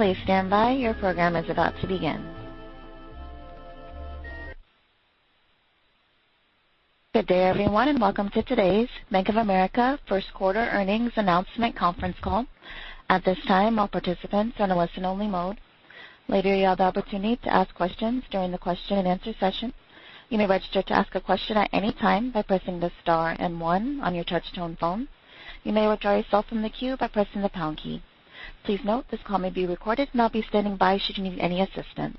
Please stand by. Your program is about to begin. Good day, everyone, and welcome to today's Bank of America first quarter earnings announcement conference call. At this time, all participants are in a listen-only mode. Later, you'll have the opportunity to ask questions during the question-and-answer session. You may register to ask a question at any time by pressing the star and one on your touch-tone phone. You may withdraw yourself from the queue by pressing the pound key. Please note this call may be recorded, and I'll be standing by should you need any assistance.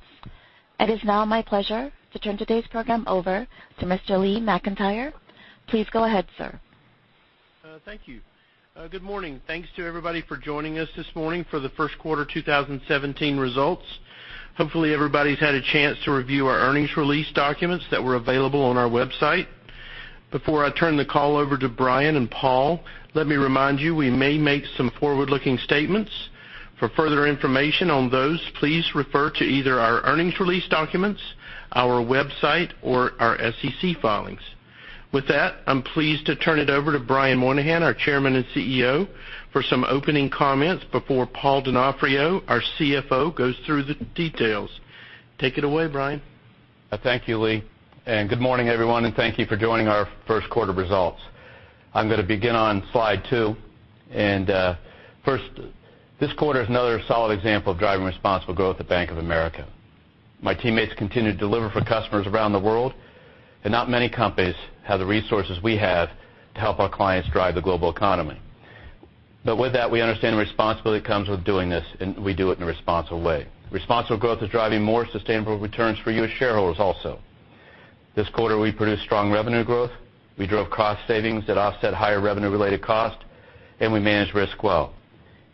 It is now my pleasure to turn today's program over to Mr. Lee McEntire. Please go ahead, sir. Thank you. Good morning. Thanks to everybody for joining us this morning for the first quarter 2017 results. Hopefully, everybody's had a chance to review our earnings release documents that were available on our website. Before I turn the call over to Brian and Paul, let me remind you, we may make some forward-looking statements. For further information on those, please refer to either our earnings release documents, our website, or our SEC filings. With that, I'm pleased to turn it over to Brian Moynihan, our Chairman and CEO, for some opening comments before Paul Donofrio, our CFO, goes through the details. Take it away, Brian. Thank you, Lee, good morning, everyone, and thank you for joining our first quarter results. I'm going to begin on slide two. First, this quarter is another solid example of driving responsible growth at Bank of America. My teammates continue to deliver for customers around the world, and not many companies have the resources we have to help our clients drive the global economy. With that, we understand the responsibility that comes with doing this, and we do it in a responsible way. Responsible growth is driving more sustainable returns for you as shareholders also. This quarter, we produced strong revenue growth, we drove cost savings that offset higher revenue-related costs, and we managed risk well.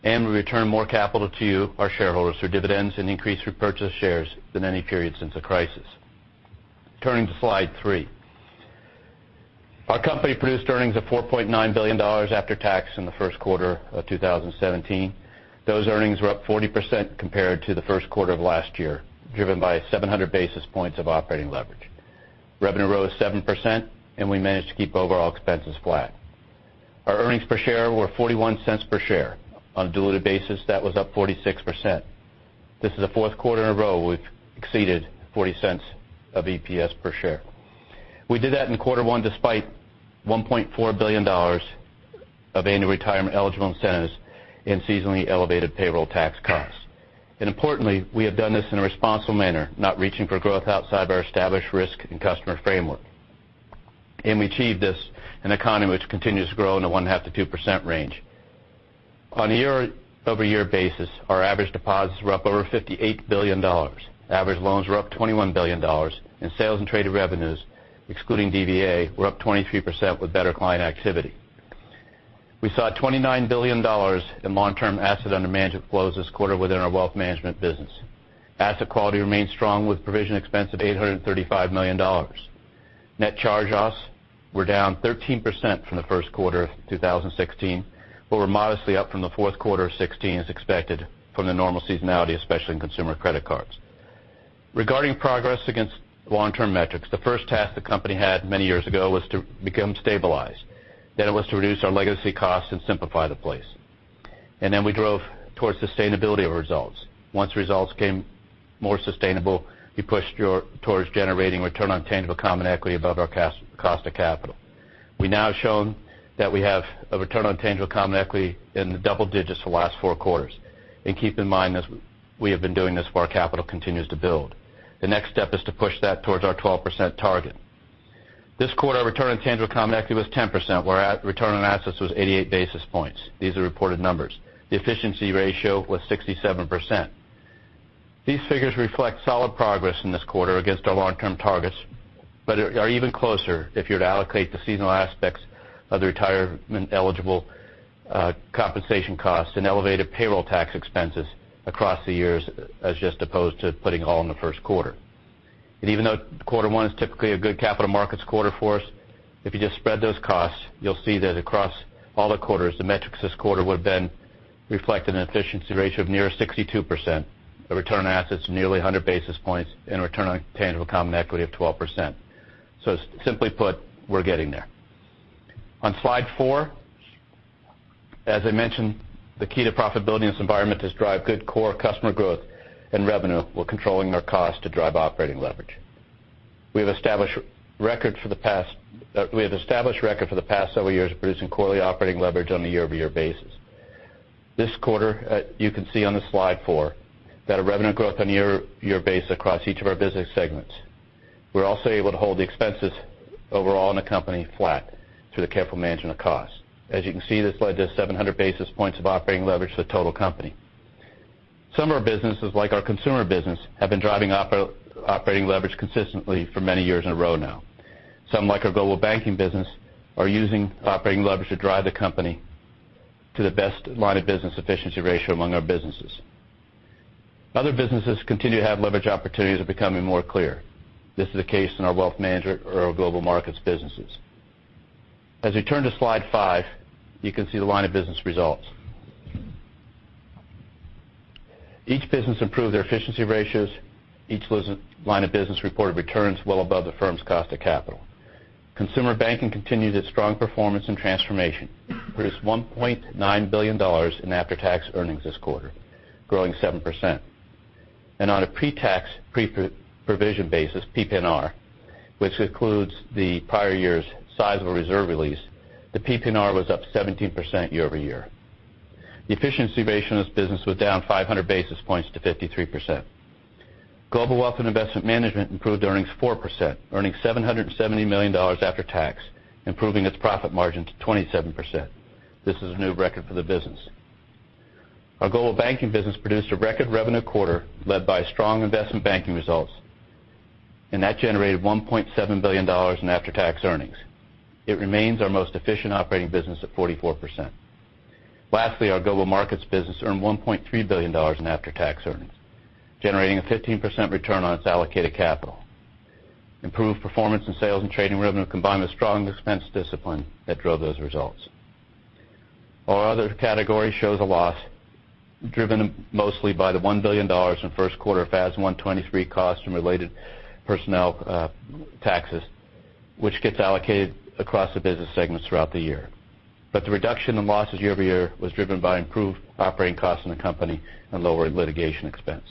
We returned more capital to you, our shareholders, through dividends and increased repurchased shares than any period since the crisis. Turning to slide three. Our company produced earnings of $4.9 billion after tax in the first quarter of 2017. Those earnings were up 40% compared to the first quarter of last year, driven by 700 basis points of operating leverage. Revenue rose 7%, and we managed to keep overall expenses flat. Our earnings per share were $0.41 per share. On a diluted basis, that was up 46%. This is the fourth quarter in a row we've exceeded $0.40 of EPS per share. We did that in quarter one despite $1.4 billion of annual retirement-eligible incentives and seasonally elevated payroll tax costs. Importantly, we have done this in a responsible manner, not reaching for growth outside of our established risk and customer framework. We achieved this in an economy which continues to grow in the 1.5%-2% range. On a year-over-year basis, our average deposits were up over $58 billion. Average loans were up $21 billion, sales and trading revenues, excluding DVA, were up 23% with better client activity. We saw $29 billion in long-term asset under management flows this quarter within our wealth management business. Asset quality remains strong with provision expense of $835 million. Net charge-offs were down 13% from the first quarter of 2016 but were modestly up from the fourth quarter of 2016 as expected from the normal seasonality, especially in consumer credit cards. Regarding progress against long-term metrics, the first task the company had many years ago was to become stabilized. It was to reduce our legacy costs and simplify the place. Then we drove towards sustainability of results. Once results became more sustainable, we pushed towards generating return on tangible common equity above our cost of capital. We now have shown that we have a return on tangible common equity in the double digits for the last four quarters. Keep in mind, as we have been doing this, our capital continues to build. The next step is to push that towards our 12% target. This quarter, our return on tangible common equity was 10%, where return on assets was 88 basis points. These are reported numbers. The efficiency ratio was 67%. These figures reflect solid progress in this quarter against our long-term targets but are even closer if you were to allocate the seasonal aspects of the retirement-eligible compensation costs and elevated payroll tax expenses across the years as just opposed to putting it all in the first quarter. Even though quarter one is typically a good capital markets quarter for us, if you just spread those costs, you'll see that across all the quarters, the metrics this quarter would've been reflected in an efficiency ratio of near 62%, a return on assets of nearly 100 basis points, and a return on tangible common equity of 12%. Simply put, we're getting there. On slide four, as I mentioned, the key to profitability in this environment is to drive good core customer growth and revenue while controlling our costs to drive operating leverage. We have established records for the past several years of producing quarterly operating leverage on a year-over-year basis. This quarter, you can see on slide four that our revenue growth on a year-over-year basis across each of our business segments. We're also able to hold the expenses overall in the company flat through the careful management of costs. As you can see, this led to 700 basis points of operating leverage to the total company. Some of our businesses, like our consumer business, have been driving operating leverage consistently for many years in a row now. Some, like our global banking business, are using operating leverage to drive the company to the best line of business efficiency ratio among our businesses. Other businesses continue to have leverage opportunities that are becoming more clear. This is the case in our wealth management or our global markets businesses. As we turn to slide five, you can see the line of business results. Each business improved their efficiency ratios. Each line of business reported returns well above the firm's cost of capital. Consumer Banking continued its strong performance and transformation, produced $1.9 billion in after-tax earnings this quarter, growing 7%. On a pre-tax, pre-provision basis, PPNR, which includes the prior year's sizable reserve release, the PPNR was up 17% year-over-year. The efficiency ratio in this business was down 500 basis points to 53%. Global Wealth and Investment Management improved earnings 4%, earning $770 million after tax, improving its profit margin to 27%. This is a new record for the business. Our Global Banking business produced a record revenue quarter led by strong investment banking results, that generated $1.7 billion in after-tax earnings. It remains our most efficient operating business at 44%. Lastly, our Global Markets business earned $1.3 billion in after-tax earnings, generating a 15% return on its allocated capital. Improved performance in sales and trading revenue combined with strong expense discipline that drove those results. Our other category shows a loss driven mostly by the $1 billion in first quarter of FAS 123 costs and related personnel taxes, which gets allocated across the business segments throughout the year. The reduction in losses year-over-year was driven by improved operating costs in the company and lower litigation expense.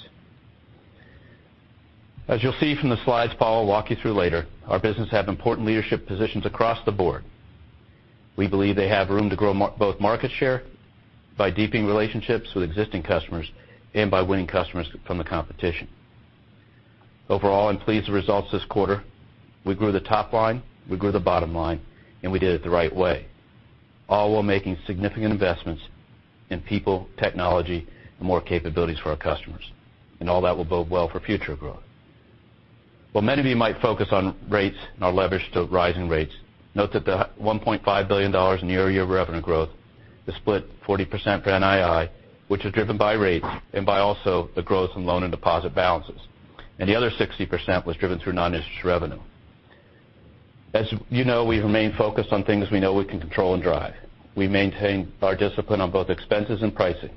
As you'll see from the slides Paul will walk you through later, our business have important leadership positions across the board. We believe they have room to grow both market share by deepening relationships with existing customers and by winning customers from the competition. Overall, I'm pleased with the results this quarter. We grew the top line, we grew the bottom line, and we did it the right way, all while making significant investments in people, technology, and more capabilities for our customers. All that will bode well for future growth. While many of you might focus on rates and our leverage to rising rates, note that the $1.5 billion in year-over-year revenue growth is split 40% for NII, which is driven by rates and by also the growth in loan and deposit balances. The other 60% was driven through non-interest revenue. As you know, we remain focused on things we know we can control and drive. We maintain our discipline on both expenses and pricing.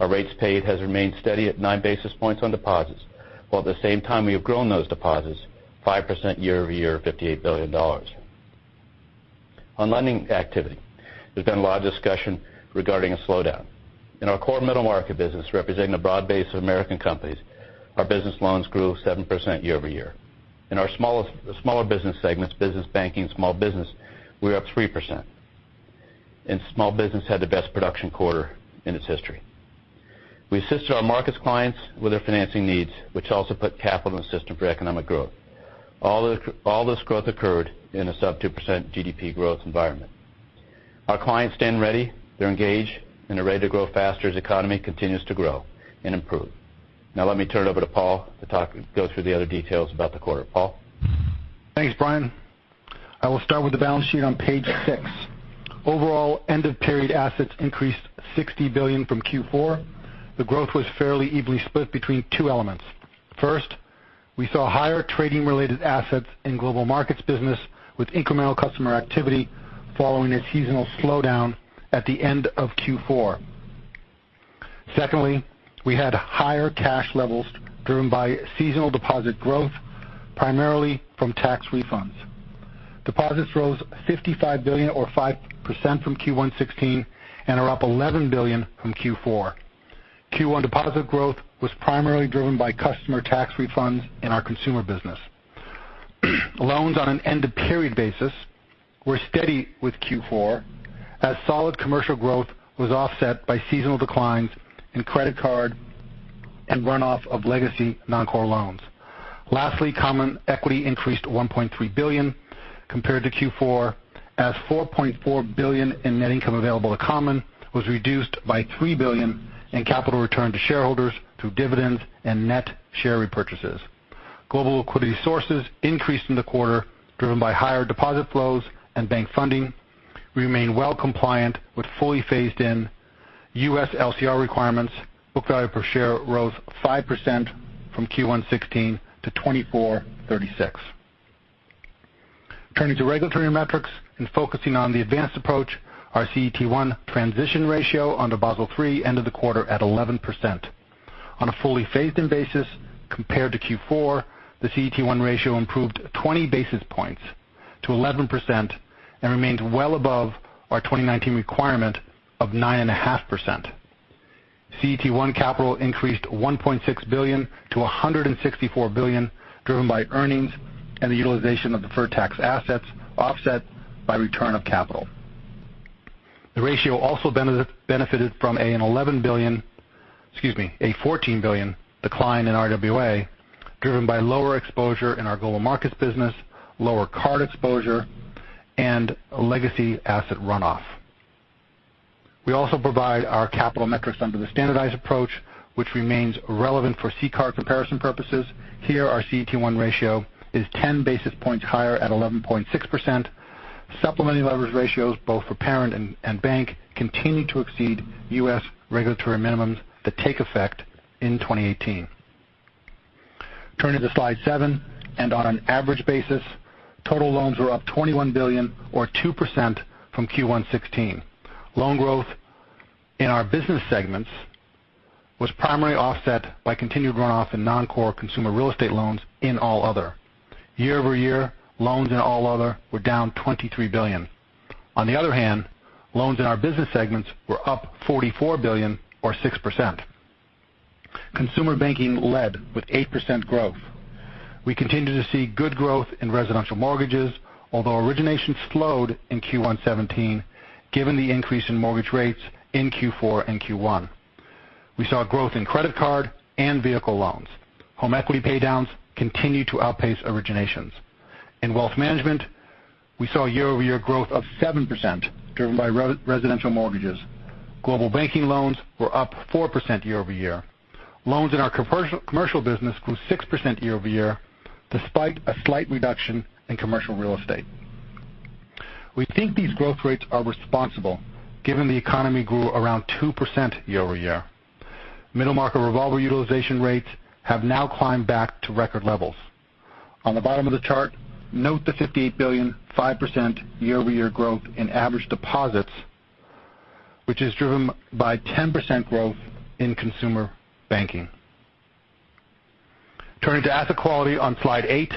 Our rates paid has remained steady at nine basis points on deposits, while at the same time, we have grown those deposits 5% year-over-year, $58 billion. On lending activity, there's been a lot of discussion regarding a slowdown. In our core middle market business, representing a broad base of American companies, our business loans grew 7% year-over-year. In our smaller business segments, business banking and small business, we're up 3%. Small business had the best production quarter in its history. We assisted our markets clients with their financing needs, which also put capital in the system for economic growth. All this growth occurred in a sub 2% GDP growth environment. Our clients stand ready, they're engaged, and they're ready to grow faster as economy continues to grow and improve. Now let me turn it over to Paul to go through the other details about the quarter. Paul? Thanks, Brian. I will start with the balance sheet on page six. Overall, end-of-period assets increased $60 billion from Q4. The growth was fairly evenly split between two elements. First, we saw higher trading-related assets in Global Markets business, with incremental customer activity following a seasonal slowdown at the end of Q4. Secondly, we had higher cash levels driven by seasonal deposit growth, primarily from tax refunds. Deposits rose $55 billion or 5% from Q1 '16 and are up $11 billion from Q4. Q1 deposit growth was primarily driven by customer tax refunds in our consumer business. Loans on an end-of-period basis were steady with Q4 as solid commercial growth was offset by seasonal declines in credit card and runoff of legacy non-core loans. Common equity increased $1.3 billion compared to Q4 as $4.4 billion in net income available to common was reduced by $3 billion in capital returned to shareholders through dividends and net share repurchases. Global liquidity sources increased in the quarter, driven by higher deposit flows and bank funding. We remain well compliant with fully phased in U.S. LCR requirements. Book value per share rose 5% from Q1 '16 to $24.36. Turning to regulatory metrics and focusing on the advanced approach, our CET1 transition ratio under Basel III ended the quarter at 11%. On a fully phased-in basis compared to Q4, the CET1 ratio improved 20 basis points to 11% and remains well above our 2019 requirement of 9.5%. CET1 capital increased $1.6 billion to $164 billion, driven by earnings and the utilization of deferred tax assets offset by return of capital. The ratio also benefited from a $14 billion decline in RWA, driven by lower exposure in our Global Markets business, lower card exposure, and a legacy asset runoff. We also provide our capital metrics under the standardized approach, which remains relevant for CCAR comparison purposes. Here, our CET1 ratio is 10 basis points higher at 11.6%. Supplementary leverage ratios, both for parent and bank, continue to exceed U.S. regulatory minimums that take effect in 2018. Turning to slide seven, and on an average basis, total loans were up $21 billion or 2% from Q1 '16. Loan growth in our business segments was primarily offset by continued runoff in non-core consumer real estate loans in all other. Year-over-year loans in all other were down $23 billion. On the other hand, loans in our business segments were up $44 billion or 6%. Consumer Banking led with 8% growth. We continue to see good growth in residential mortgages, although originations slowed in Q1 '17, given the increase in mortgage rates in Q4 and Q1. We saw growth in credit card and vehicle loans. Home equity pay-downs continue to outpace originations. In wealth management, we saw year-over-year growth of 7%, driven by residential mortgages. Global Banking loans were up 4% year-over-year. Loans in our commercial business grew 6% year-over-year, despite a slight reduction in commercial real estate. We think these growth rates are responsible, given the economy grew around 2% year-over-year. Middle market revolver utilization rates have now climbed back to record levels. On the bottom of the chart, note the $58 billion, 5% year-over-year growth in average deposits, which is driven by 10% growth in Consumer Banking. Turning to asset quality on Slide eight.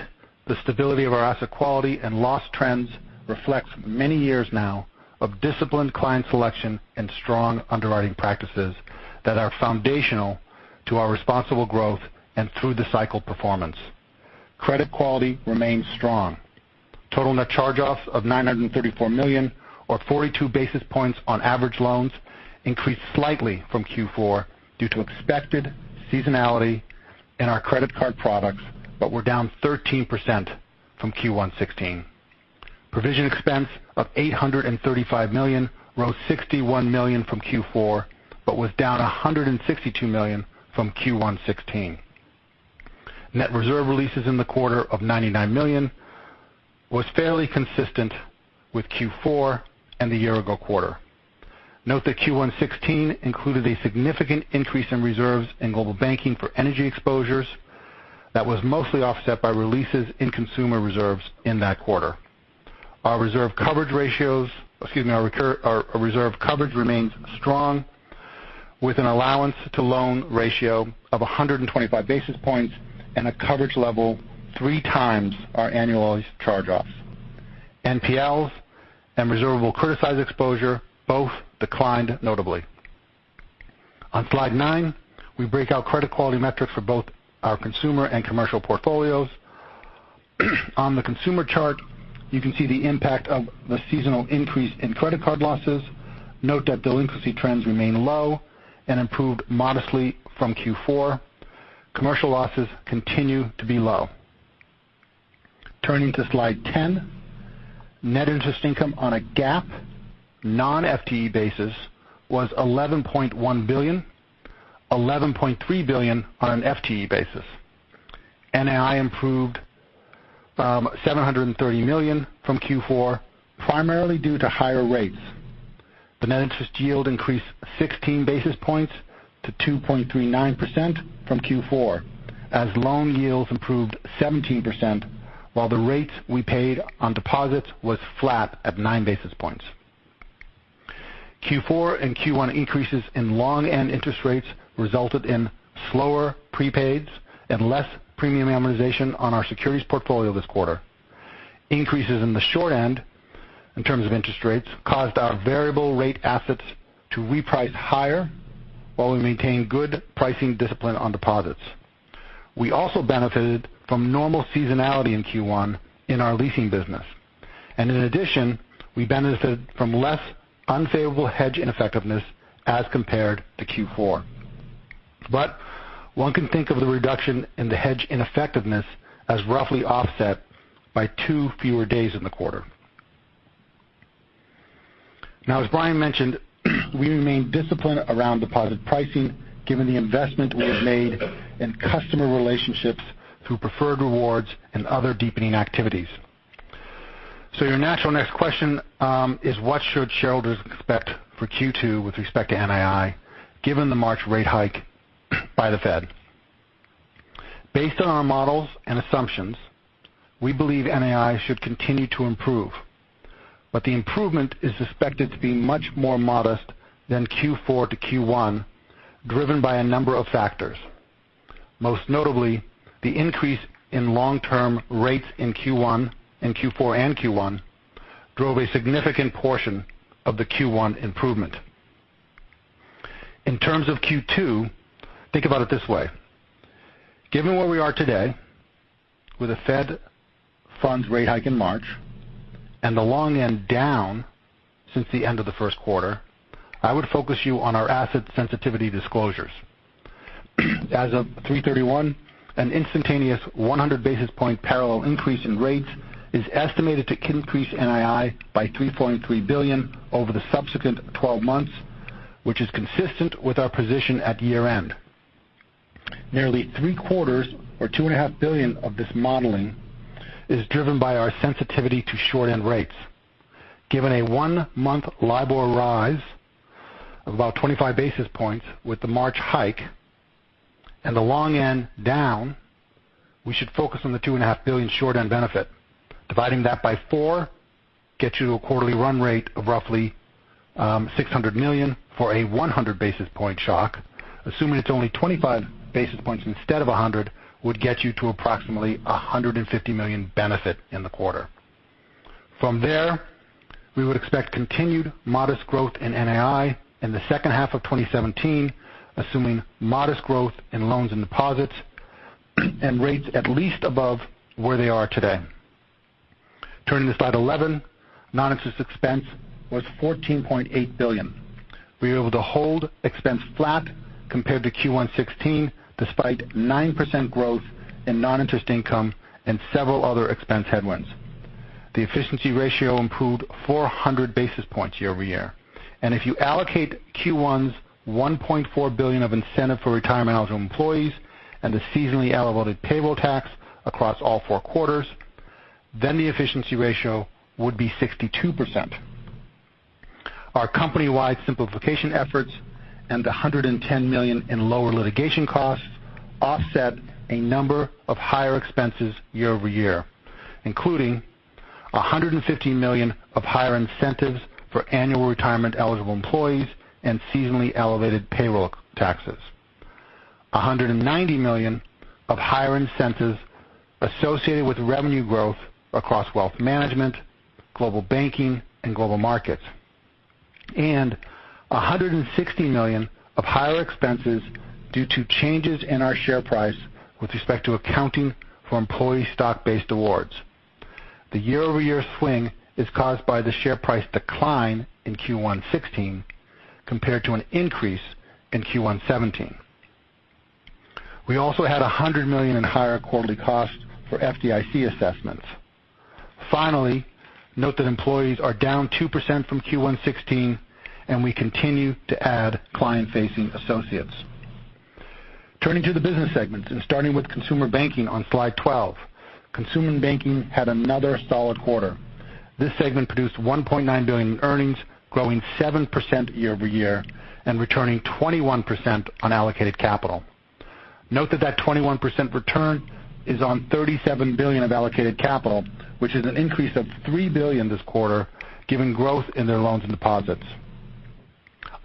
The stability of our asset quality and loss trends reflects many years now of disciplined client selection and strong underwriting practices that are foundational to our responsible growth and through the cycle performance. Credit quality remains strong. Total net charge-offs of $934 million or 42 basis points on average loans increased slightly from Q4 due to expected seasonality in our credit card products, but were down 13% from Q1 2016. Provision expense of $835 million rose $61 million from Q4, but was down $162 million from Q1 2016. Net reserve releases in the quarter of $99 million was fairly consistent with Q4 and the year-ago quarter. Note that Q1 2016 included a significant increase in reserves in Global Banking for energy exposures that was mostly offset by releases in consumer reserves in that quarter. Our reserve coverage remains strong, with an allowance to loan ratio of 125 basis points and a coverage level three times our annualized charge-offs. NPLs and reservable criticized exposure both declined notably. On Slide nine, we break out credit quality metrics for both our consumer and commercial portfolios. On the consumer chart, you can see the impact of the seasonal increase in credit card losses. Note that delinquency trends remain low and improved modestly from Q4. Commercial losses continue to be low. Turning to Slide 10. Net interest income on a GAAP non-FTE basis was $11.1 billion, $11.3 billion on an FTE basis. NII improved $730 million from Q4, primarily due to higher rates. The net interest yield increased 16 basis points to 2.39% from Q4, as loan yields improved 17%, while the rates we paid on deposits was flat at nine basis points. Q4 and Q1 increases in long-end interest rates resulted in slower prepaids and less premium amortization on our securities portfolio this quarter. Increases in the short-end, in terms of interest rates, caused our variable rate assets to reprice higher while we maintain good pricing discipline on deposits. We also benefited from normal seasonality in Q1 in our leasing business. In addition, we benefited from less unfavorable hedge ineffectiveness as compared to Q4. One can think of the reduction in the hedge ineffectiveness as roughly offset by two fewer days in the quarter. As Brian mentioned, we remain disciplined around deposit pricing given the investment we have made in customer relationships through Preferred Rewards and other deepening activities. Your natural next question is what should shareholders expect for Q2 with respect to NII, given the March rate hike by the Fed? Based on our models and assumptions, we believe NII should continue to improve. The improvement is suspected to be much more modest than Q4 to Q1, driven by a number of factors. Most notably, the increase in long-term rates in Q4 and Q1 drove a significant portion of the Q1 improvement. In terms of Q2, think about it this way. Given where we are today, with a Fed funds rate hike in March and the long end down since the end of the first quarter, I would focus you on our asset sensitivity disclosures. As of 3/31, an instantaneous 100-basis-point parallel increase in rates is estimated to increase NII by $3.3 billion over the subsequent 12 months, which is consistent with our position at year-end. Nearly three-quarters or $2.5 billion of this modeling is driven by our sensitivity to short-end rates. Given a one-month LIBOR rise of about 25 basis points with the March hike and the long end down, we should focus on the $2.5 billion short end benefit. Dividing that by four gets you to a quarterly run rate of roughly $600 million for a 100 basis point shock. Assuming it's only 25 basis points instead of 100 would get you to approximately $150 million benefit in the quarter. From there, we would expect continued modest growth in NII in the second half of 2017, assuming modest growth in loans and deposits, and rates at least above where they are today. Turning to slide 11. Non-interest expense was $14.8 billion. We were able to hold expense flat compared to Q1 2016, despite 9% growth in non-interest income and several other expense headwinds. The efficiency ratio improved 400 basis points year-over-year. If you allocate Q1's $1.4 billion of incentive for retirement eligible employees and the seasonally elevated payroll tax across all four quarters, then the efficiency ratio would be 62%. Our company-wide simplification efforts and the $110 million in lower litigation costs offset a number of higher expenses year-over-year, including $115 million of higher incentives for annual retirement eligible employees and seasonally elevated payroll taxes. $190 million of higher incentives associated with revenue growth across Wealth Management, Global Banking, and Global Markets. $160 million of higher expenses due to changes in our share price with respect to accounting for employee stock-based awards. The year-over-year swing is caused by the share price decline in Q1 2016, compared to an increase in Q1 2017. We also had $100 million in higher quarterly costs for FDIC assessments. Finally, note that employees are down 2% from Q1 2016, and we continue to add client-facing associates. Turning to the business segments and starting with Consumer Banking on slide 12. Consumer Banking had another solid quarter. This segment produced $1.9 billion in earnings, growing 7% year-over-year and returning 21% on allocated capital. Note that that 21% return is on $37 billion of allocated capital, which is an increase of $3 billion this quarter, given growth in their loans and deposits.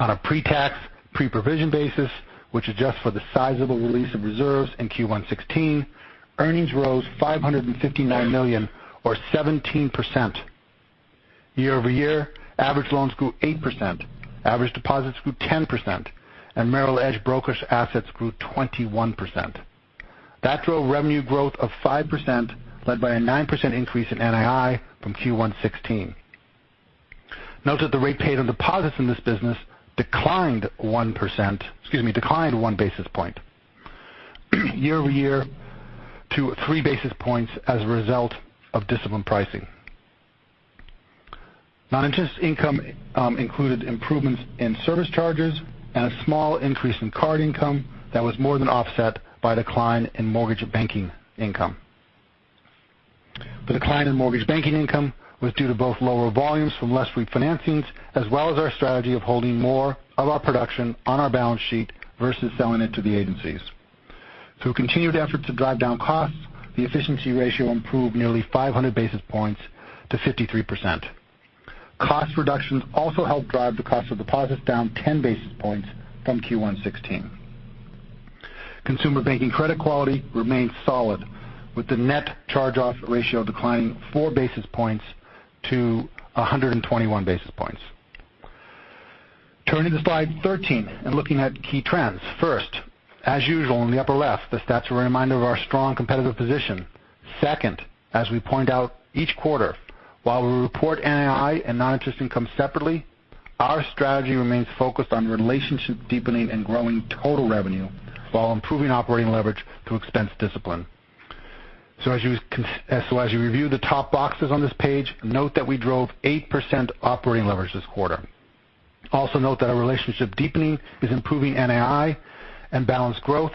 On a pre-tax, pre-provision basis, which adjusts for the sizable release of reserves in Q1 2016, earnings rose $559 million or 17%. Year-over-year, average loans grew 8%, average deposits grew 10%, and Merrill Edge brokerage assets grew 21%. That drove revenue growth of 5%, led by a 9% increase in NII from Q1 2016. Note that the rate paid on deposits in this business declined one basis point year-over-year to three basis points as a result of disciplined pricing. Non-interest income included improvements in service charges and a small increase in card income that was more than offset by decline in mortgage banking income. The decline in mortgage banking income was due to both lower volumes from less refinancings, as well as our strategy of holding more of our production on our balance sheet versus selling it to the agencies. Through continued efforts to drive down costs, the efficiency ratio improved nearly 500 basis points to 53%. Cost reductions also helped drive the cost of deposits down 10 basis points from Q1 2016. Consumer Banking credit quality remained solid, with the net charge-off ratio declining four basis points to 121 basis points. Turning to slide 13 and looking at key trends. First, as usual in the upper left, the stats are a reminder of our strong competitive position. Second, as we point out each quarter, while we report NII and non-interest income separately, our strategy remains focused on relationship deepening and growing total revenue while improving operating leverage through expense discipline. As you review the top boxes on this page, note that we drove 8% operating leverage this quarter. Also note that our relationship deepening is improving NII and balance growth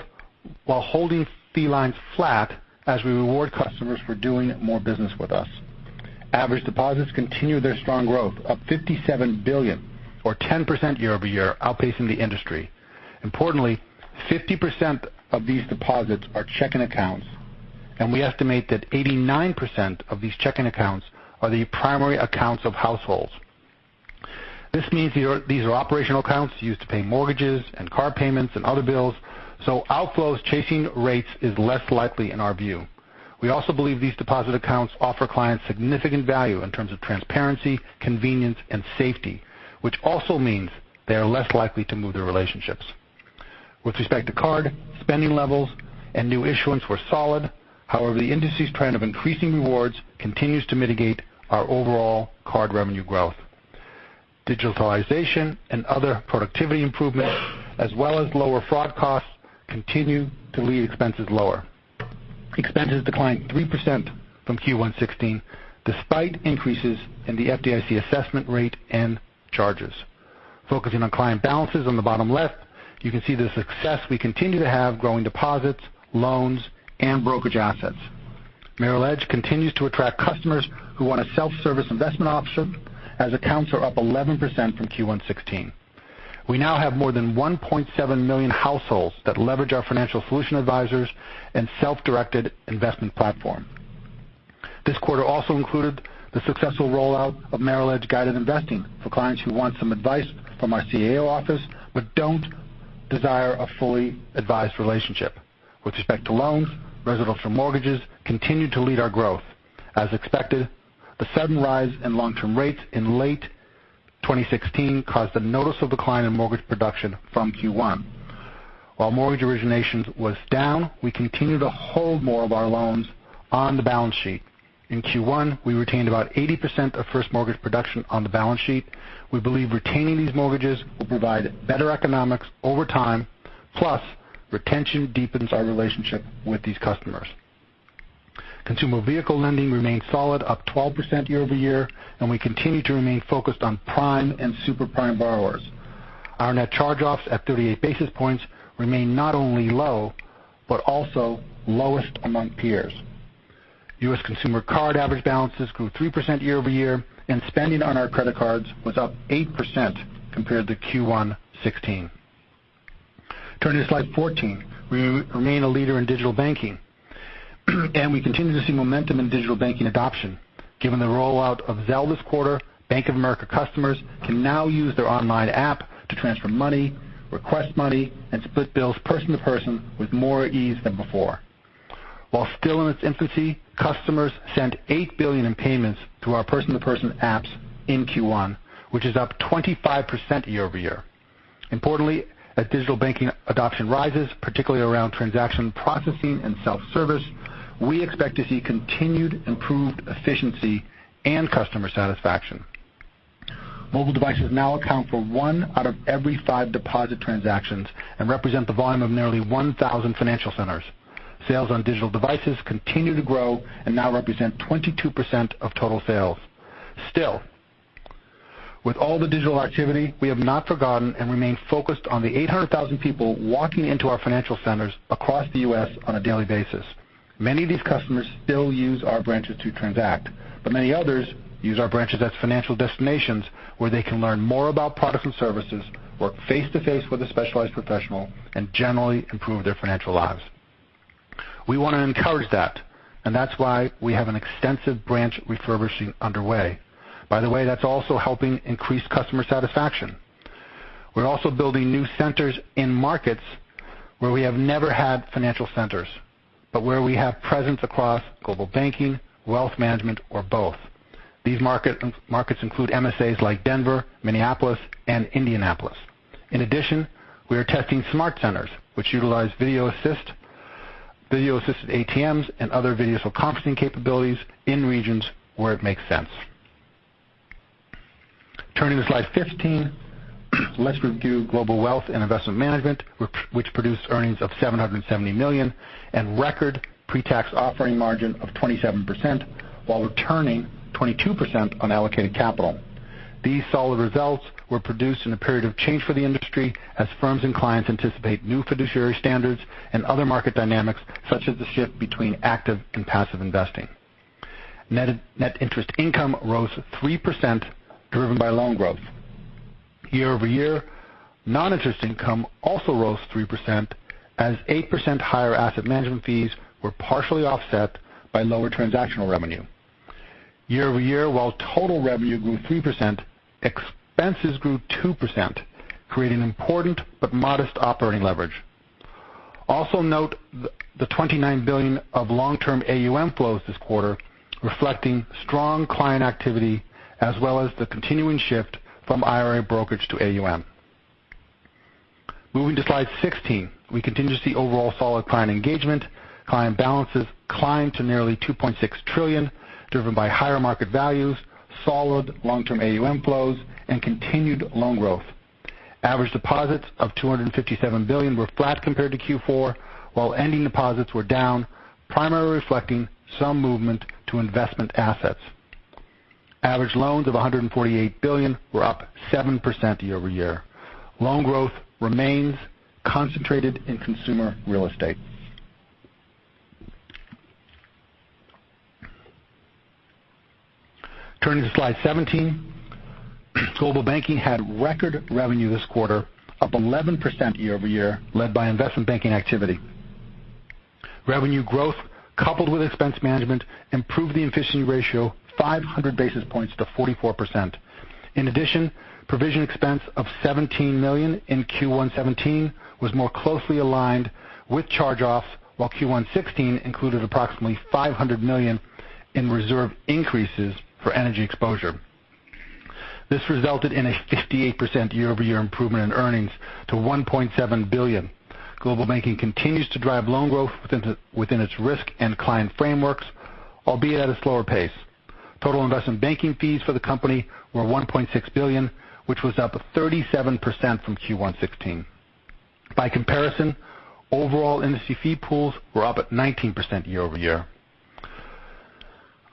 while holding fee lines flat as we reward customers for doing more business with us. Average deposits continue their strong growth, up $57 billion or 10% year-over-year, outpacing the industry. Importantly, 50% of these deposits are checking accounts, and we estimate that 89% of these checking accounts are the primary accounts of households. This means these are operational accounts used to pay mortgages and car payments and other bills, so outflows chasing rates is less likely in our view. We also believe these deposit accounts offer clients significant value in terms of transparency, convenience, and safety, which also means they are less likely to move their relationships. With respect to card, spending levels and new issuance were solid. However, the industry's trend of increasing rewards continues to mitigate our overall card revenue growth. Digitalization and other productivity improvements, as well as lower fraud costs, continue to lead expenses lower. Expenses declined 3% from Q1 2016, despite increases in the FDIC assessment rate and charges. Focusing on client balances on the bottom left, you can see the success we continue to have growing deposits, loans, and brokerage assets. Merrill Edge continues to attract customers who want a self-service investment option as accounts are up 11% from Q1 2016. We now have more than 1.7 million households that leverage our financial solution advisors and self-directed investment platform. This quarter also included the successful rollout of Merrill Edge Guided Investing for clients who want some advice from our CIO office but don't desire a fully advised relationship. With respect to loans, residential mortgages continued to lead our growth. As expected, the sudden rise in long-term rates in late 2016 caused a noticeable decline in mortgage production from Q1. While mortgage originations was down, we continue to hold more of our loans on the balance sheet. In Q1, we retained about 80% of first mortgage production on the balance sheet. We believe retaining these mortgages will provide better economics over time, plus retention deepens our relationship with these customers. Consumer vehicle lending remained solid, up 12% year-over-year, and we continue to remain focused on prime and super prime borrowers. Our net charge-offs at 38 basis points remain not only low but also lowest among peers. U.S. consumer card average balances grew 3% year-over-year, and spending on our credit cards was up 8% compared to Q1 2016. Turning to slide 14. We remain a leader in digital banking, and we continue to see momentum in digital banking adoption. Given the rollout of Zelle this quarter, Bank of America customers can now use their online app to transfer money, request money, and split bills person-to-person with more ease than before. While still in its infancy, customers sent $8 billion in payments through our person-to-person apps in Q1, which is up 25% year-over-year. Importantly, as digital banking adoption rises, particularly around transaction processing and self-service, we expect to see continued improved efficiency and customer satisfaction. Mobile devices now account for one out of every five deposit transactions and represent the volume of nearly 1,000 financial centers. Sales on digital devices continue to grow and now represent 22% of total sales. Still, with all the digital activity, we have not forgotten and remain focused on the 800,000 people walking into our financial centers across the U.S. on a daily basis. Many of these customers still use our branches to transact, but many others use our branches as financial destinations where they can learn more about products and services, work face-to-face with a specialized professional, and generally improve their financial lives. That's why we have an extensive branch refurbishing underway. By the way, that's also helping increase customer satisfaction. We're also building new centers in markets where we have never had financial centers, but where we have presence across Global Banking, Wealth Management, or both. These markets include MSAs like Denver, Minneapolis, and Indianapolis. In addition, we are testing smart centers which utilize video-assisted ATMs and other video conferencing capabilities in regions where it makes sense. Turning to slide 15. Let's review Global Wealth and Investment Management, which produced earnings of $770 million and record pre-tax operating margin of 27%, while returning 22% on allocated capital. These solid results were produced in a period of change for the industry as firms and clients anticipate new fiduciary standards and other market dynamics, such as the shift between active and passive investing. Net Interest Income rose 3%, driven by loan growth. Year-over-year, non-interest income also rose 3% as 8% higher asset management fees were partially offset by lower transactional revenue. Year-over-year, while total revenue grew 3%, expenses grew 2%, creating important but modest operating leverage. Note the $29 billion of long-term AUM flows this quarter, reflecting strong client activity as well as the continuing shift from IRA brokerage to AUM. Moving to slide 16. We continue to see overall solid client engagement. Client balances climbed to nearly $2.6 trillion, driven by higher market values, solid long-term AUM flows, and continued loan growth. Average deposits of $257 billion were flat compared to Q4, while ending deposits were down, primarily reflecting some movement to investment assets. Average loans of $148 billion were up 7% year-over-year. Loan growth remains concentrated in consumer real estate. Turning to slide 17. Global Banking had record revenue this quarter, up 11% year-over-year, led by investment banking activity. Revenue growth coupled with expense management improved the efficiency ratio 500 basis points to 44%. Provision expense of $17 million in Q1 '17 was more closely aligned with charge-offs while Q1 '16 included approximately $500 million in reserve increases for energy exposure. This resulted in a 58% year-over-year improvement in earnings to $1.7 billion. Global Banking continues to drive loan growth within its risk and client frameworks, albeit at a slower pace. Total investment banking fees for the company were $1.6 billion, which was up 37% from Q1 '16. By comparison, overall industry fee pools were up at 19% year-over-year.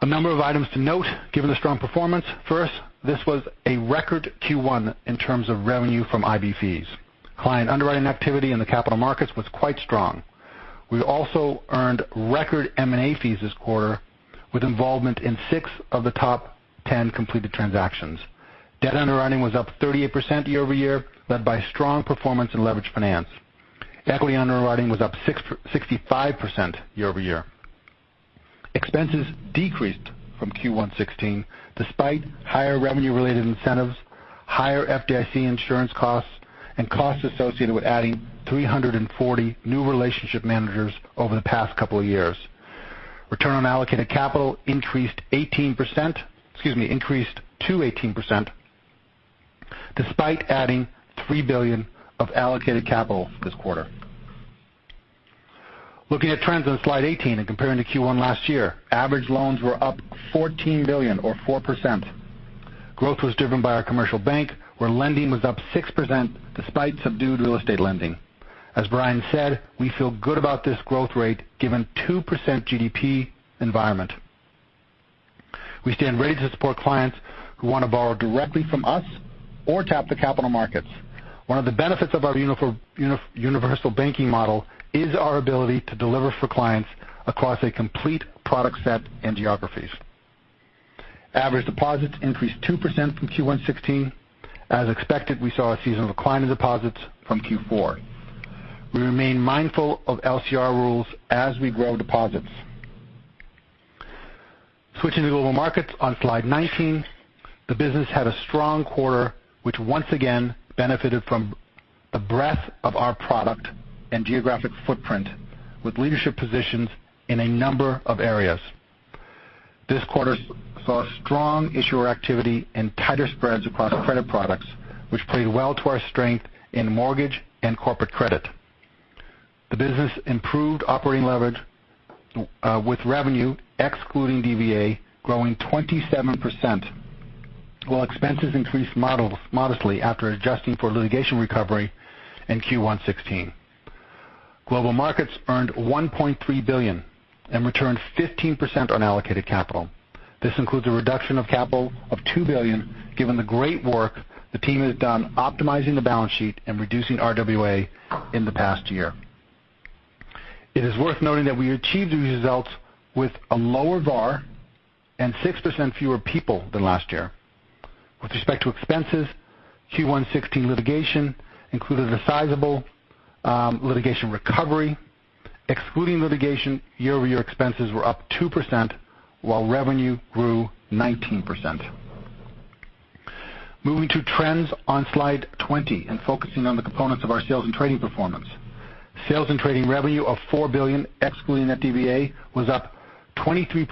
A number of items to note, given the strong performance. First, this was a record Q1 in terms of revenue from IB fees. Client underwriting activity in the capital markets was quite strong. We also earned record M&A fees this quarter with involvement in six of the top 10 completed transactions. Debt underwriting was up 38% year-over-year, led by strong performance in leveraged finance. Equity underwriting was up 65% year-over-year. Expenses decreased from Q1 2016 despite higher revenue-related incentives, higher FDIC insurance costs, and costs associated with adding 340 new relationship managers over the past couple of years. Return on allocated capital increased 18% to 18% despite adding $3 billion of allocated capital this quarter. Looking at trends on slide 18 and comparing to Q1 last year, average loans were up $14 billion or 4%. Growth was driven by our commercial bank, where lending was up 6% despite subdued real estate lending. As Brian said, we feel good about this growth rate given 2% GDP environment. We stand ready to support clients who want to borrow directly from us or tap the capital markets. One of the benefits of our universal banking model is our ability to deliver for clients across a complete product set and geographies. Average deposits increased 2% from Q1 2016. As expected, we saw a seasonal decline in deposits from Q4. We remain mindful of LCR rules as we grow deposits. Switching to Global Markets on slide 19. The business had a strong quarter, which once again benefited from the breadth of our product and geographic footprint, with leadership positions in a number of areas. This quarter saw strong issuer activity and tighter spreads across credit products, which played well to our strength in mortgage and corporate credit. The business improved operating leverage with revenue excluding DVA growing 27%, while expenses increased modestly after adjusting for litigation recovery in Q1 2016. Global Markets earned $1.3 billion and returned 15% on allocated capital. This includes a reduction of capital of $2 billion given the great work the team has done optimizing the balance sheet and reducing RWA in the past year. It is worth noting that we achieved these results with a lower VAR and 6% fewer people than last year. With respect to expenses, Q1 2016 litigation included a sizable litigation recovery. Excluding litigation, year-over-year expenses were up 2%, while revenue grew 19%. Moving to trends on slide 20 and focusing on the components of our sales and trading performance. Sales and trading revenue of $4 billion, excluding net DVA, was up 23%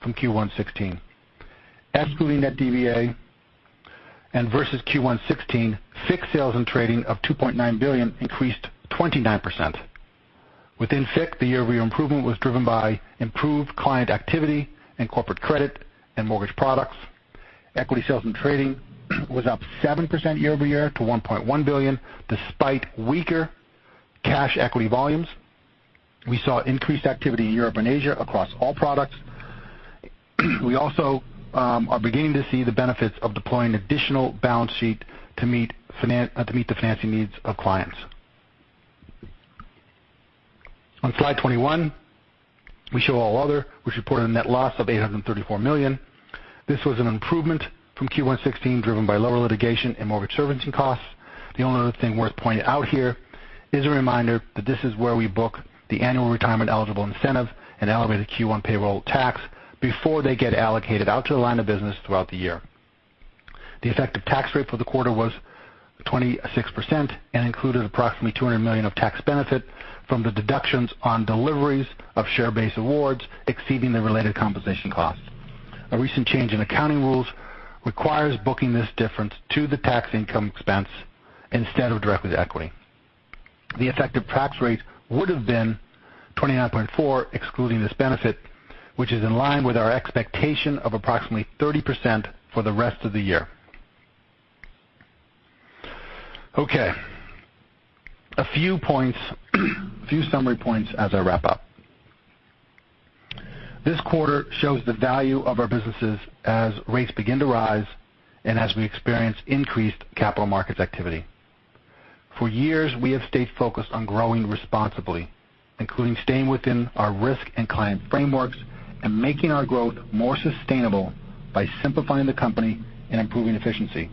from Q1 2016. Excluding net DVA and versus Q1 2016, FICC sales and trading of $2.9 billion increased 29%. Within FICC, the year-over-year improvement was driven by improved client activity in corporate credit and mortgage products. Equity sales and trading was up 7% year-over-year to $1.1 billion, despite weaker cash equity volumes. We saw increased activity in Europe and Asia across all products. We also are beginning to see the benefits of deploying additional balance sheet to meet the financing needs of clients. On slide 21, we show All Other, which reported a net loss of $834 million. This was an improvement from Q1 2016, driven by lower litigation and mortgage servicing costs. The only other thing worth pointing out here is a reminder that this is where we book the annual retirement eligible incentive and elevated Q1 payroll tax before they get allocated out to the line of business throughout the year. The effective tax rate for the quarter was 26% and included approximately $200 million of tax benefit from the deductions on deliveries of share-based awards exceeding the related compensation costs. A recent change in accounting rules requires booking this difference to the tax income expense instead of directly to equity. The effective tax rate would have been 29.4% excluding this benefit, which is in line with our expectation of approximately 30% for the rest of the year. Okay. A few summary points as I wrap up. This quarter shows the value of our businesses as rates begin to rise and as we experience increased capital markets activity. For years, we have stayed focused on growing responsibly, including staying within our risk and client frameworks and making our growth more sustainable by simplifying the company and improving efficiency.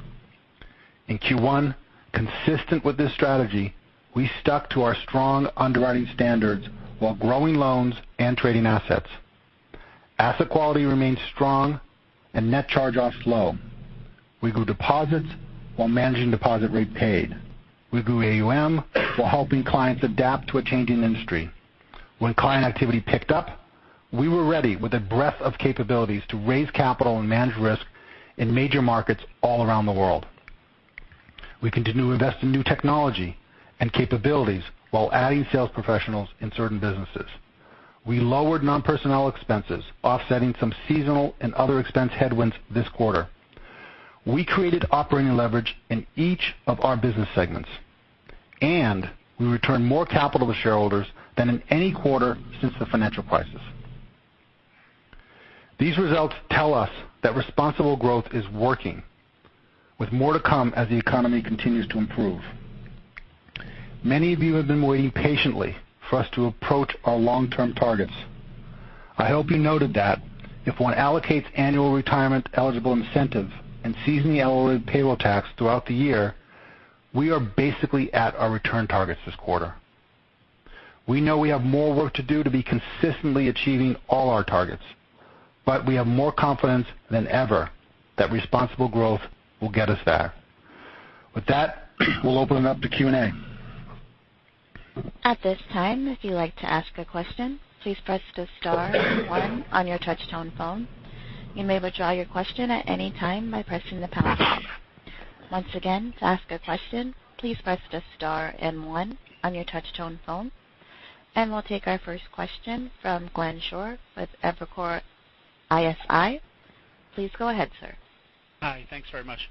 In Q1, consistent with this strategy, we stuck to our strong underwriting standards while growing loans and trading assets. Asset quality remains strong and net charge-offs low. We grew deposits while managing deposit rate paid. We grew AUM while helping clients adapt to a changing industry. When client activity picked up, we were ready with a breadth of capabilities to raise capital and manage risk in major markets all around the world. We continue to invest in new technology and capabilities while adding sales professionals in certain businesses. We lowered non-personnel expenses, offsetting some seasonal and other expense headwinds this quarter. We created operating leverage in each of our business segments. We returned more capital to shareholders than in any quarter since the financial crisis. These results tell us that responsible growth is working, with more to come as the economy continues to improve. Many of you have been waiting patiently for us to approach our long-term targets. I hope you noted that if one allocates annual retirement-eligible incentive and seasons the payroll tax throughout the year, we are basically at our return targets this quarter. We know we have more work to do to be consistently achieving all our targets. We have more confidence than ever that responsible growth will get us there. With that, we'll open it up to Q&A. At this time, if you'd like to ask a question, please press the star one on your touch-tone phone. You may withdraw your question at any time by pressing the pound sign. Once again, to ask a question, please press the star and one on your touch-tone phone. We'll take our first question from Glenn Schorr with Evercore ISI. Please go ahead, sir. Hi, thanks very much.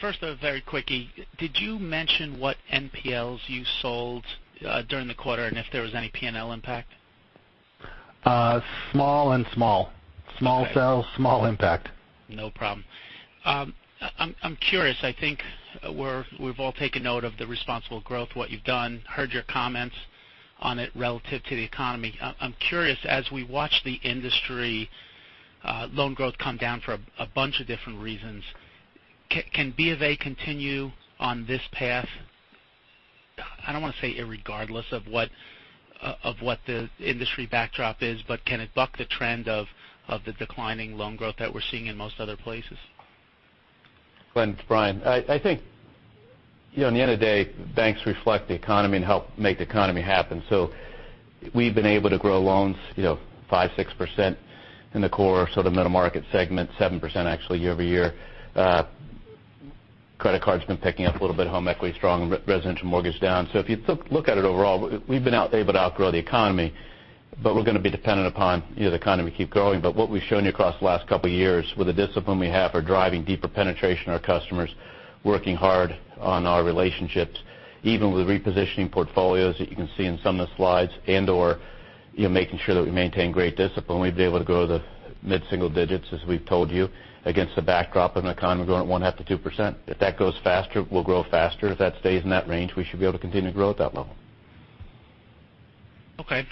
First, a very quickie. Did you mention what NPLs you sold during the quarter, and if there was any P&L impact? Small and small. Small sale, small impact. No problem. I'm curious, I think we've all taken note of the responsible growth, what you've done, heard your comments on it relative to the economy. I'm curious, as we watch the industry loan growth come down for a bunch of different reasons, can B of A continue on this path? I don't want to say irregardless of what the industry backdrop is, but can it buck the trend of the declining loan growth that we're seeing in most other places? Glenn, it's Brian. I think, at the end of the day, banks reflect the economy and help make the economy happen. We've been able to grow loans 5%, 6% in the core sort of middle-market segment, 7% actually year-over-year. Credit card's been picking up a little bit, home equity strong, residential mortgage down. If you look at it overall, we've been able to outgrow the economy, we're going to be dependent upon the economy keep growing. What we've shown you across the last couple of years with the discipline we have are driving deeper penetration, our customers working hard on our relationships, even with repositioning portfolios that you can see in some of the slides and/or making sure that we maintain great discipline. We'd be able to grow the mid-single digits, as we've told you, against the backdrop of an economy growing at 1.5%-2%. If that goes faster, we'll grow faster. If that stays in that range, we should be able to continue to grow at that level. Okay.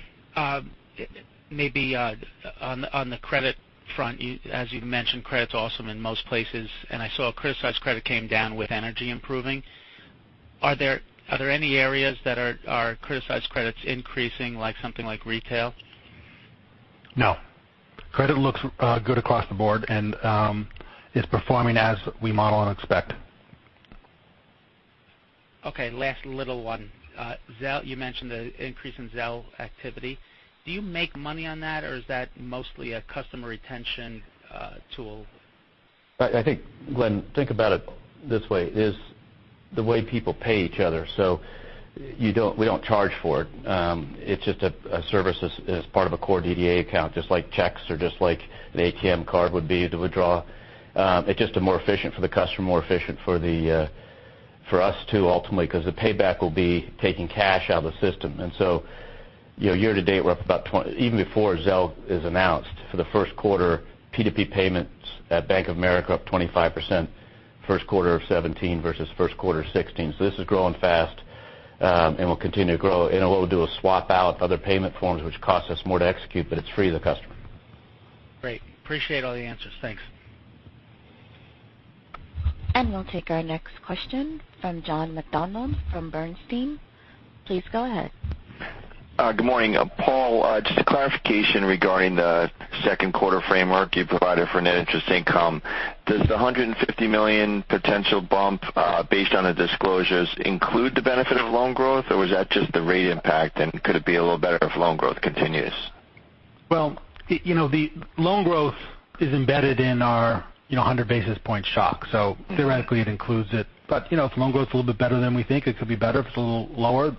Maybe on the credit front, as you mentioned, credit's awesome in most places. I saw criticized credit came down with energy improving. Are there any areas that are criticized credits increasing like something like retail? No. Credit looks good across the board, and is performing as we model and expect. Okay, last little one. You mentioned the increase in Zelle activity. Do you make money on that, or is that mostly a customer retention tool? I think, Glenn, think about it this way, is the way people pay each other. We don't charge for it. It's just a service as part of a core DDA account, just like checks or just like an ATM card would be to withdraw. It's just more efficient for the customer, more efficient for us, too, ultimately, because the payback will be taking cash out of the system. Year to date, even before Zelle is announced for the first quarter, P2P payments at Bank of America up 25% first quarter of 2017 versus first quarter of 2016. This is growing fast and will continue to grow. What we'll do is swap out other payment forms, which cost us more to execute, but it's free to the customer. Great. Appreciate all the answers. Thanks. We'll take our next question from John McDonald from Bernstein. Please go ahead. Good morning. Paul, just a clarification regarding the second quarter framework you provided for net interest income. Does the $150 million potential bump based on the disclosures include the benefit of loan growth, or was that just the rate impact, and could it be a little better if loan growth continues? The loan growth is embedded in our 100-basis point shock. Theoretically, it includes it. If loan growth is a little bit better than we think, it could be better. If it's a little lower,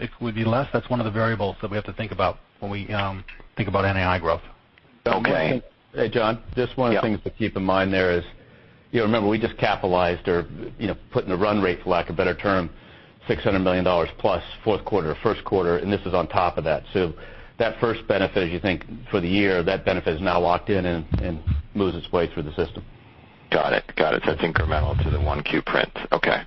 it would be less. That's one of the variables that we have to think about when we think about NII growth. Okay. Hey, John. Just one of the things to keep in mind there is, remember we just capitalized or put in a run rate, for lack of a better term, $600 million plus fourth quarter, first quarter, and this is on top of that. That first benefit, as you think for the year, that benefit is now locked in and moves its way through the system. Got it. It's incremental to the 1Q print. Okay.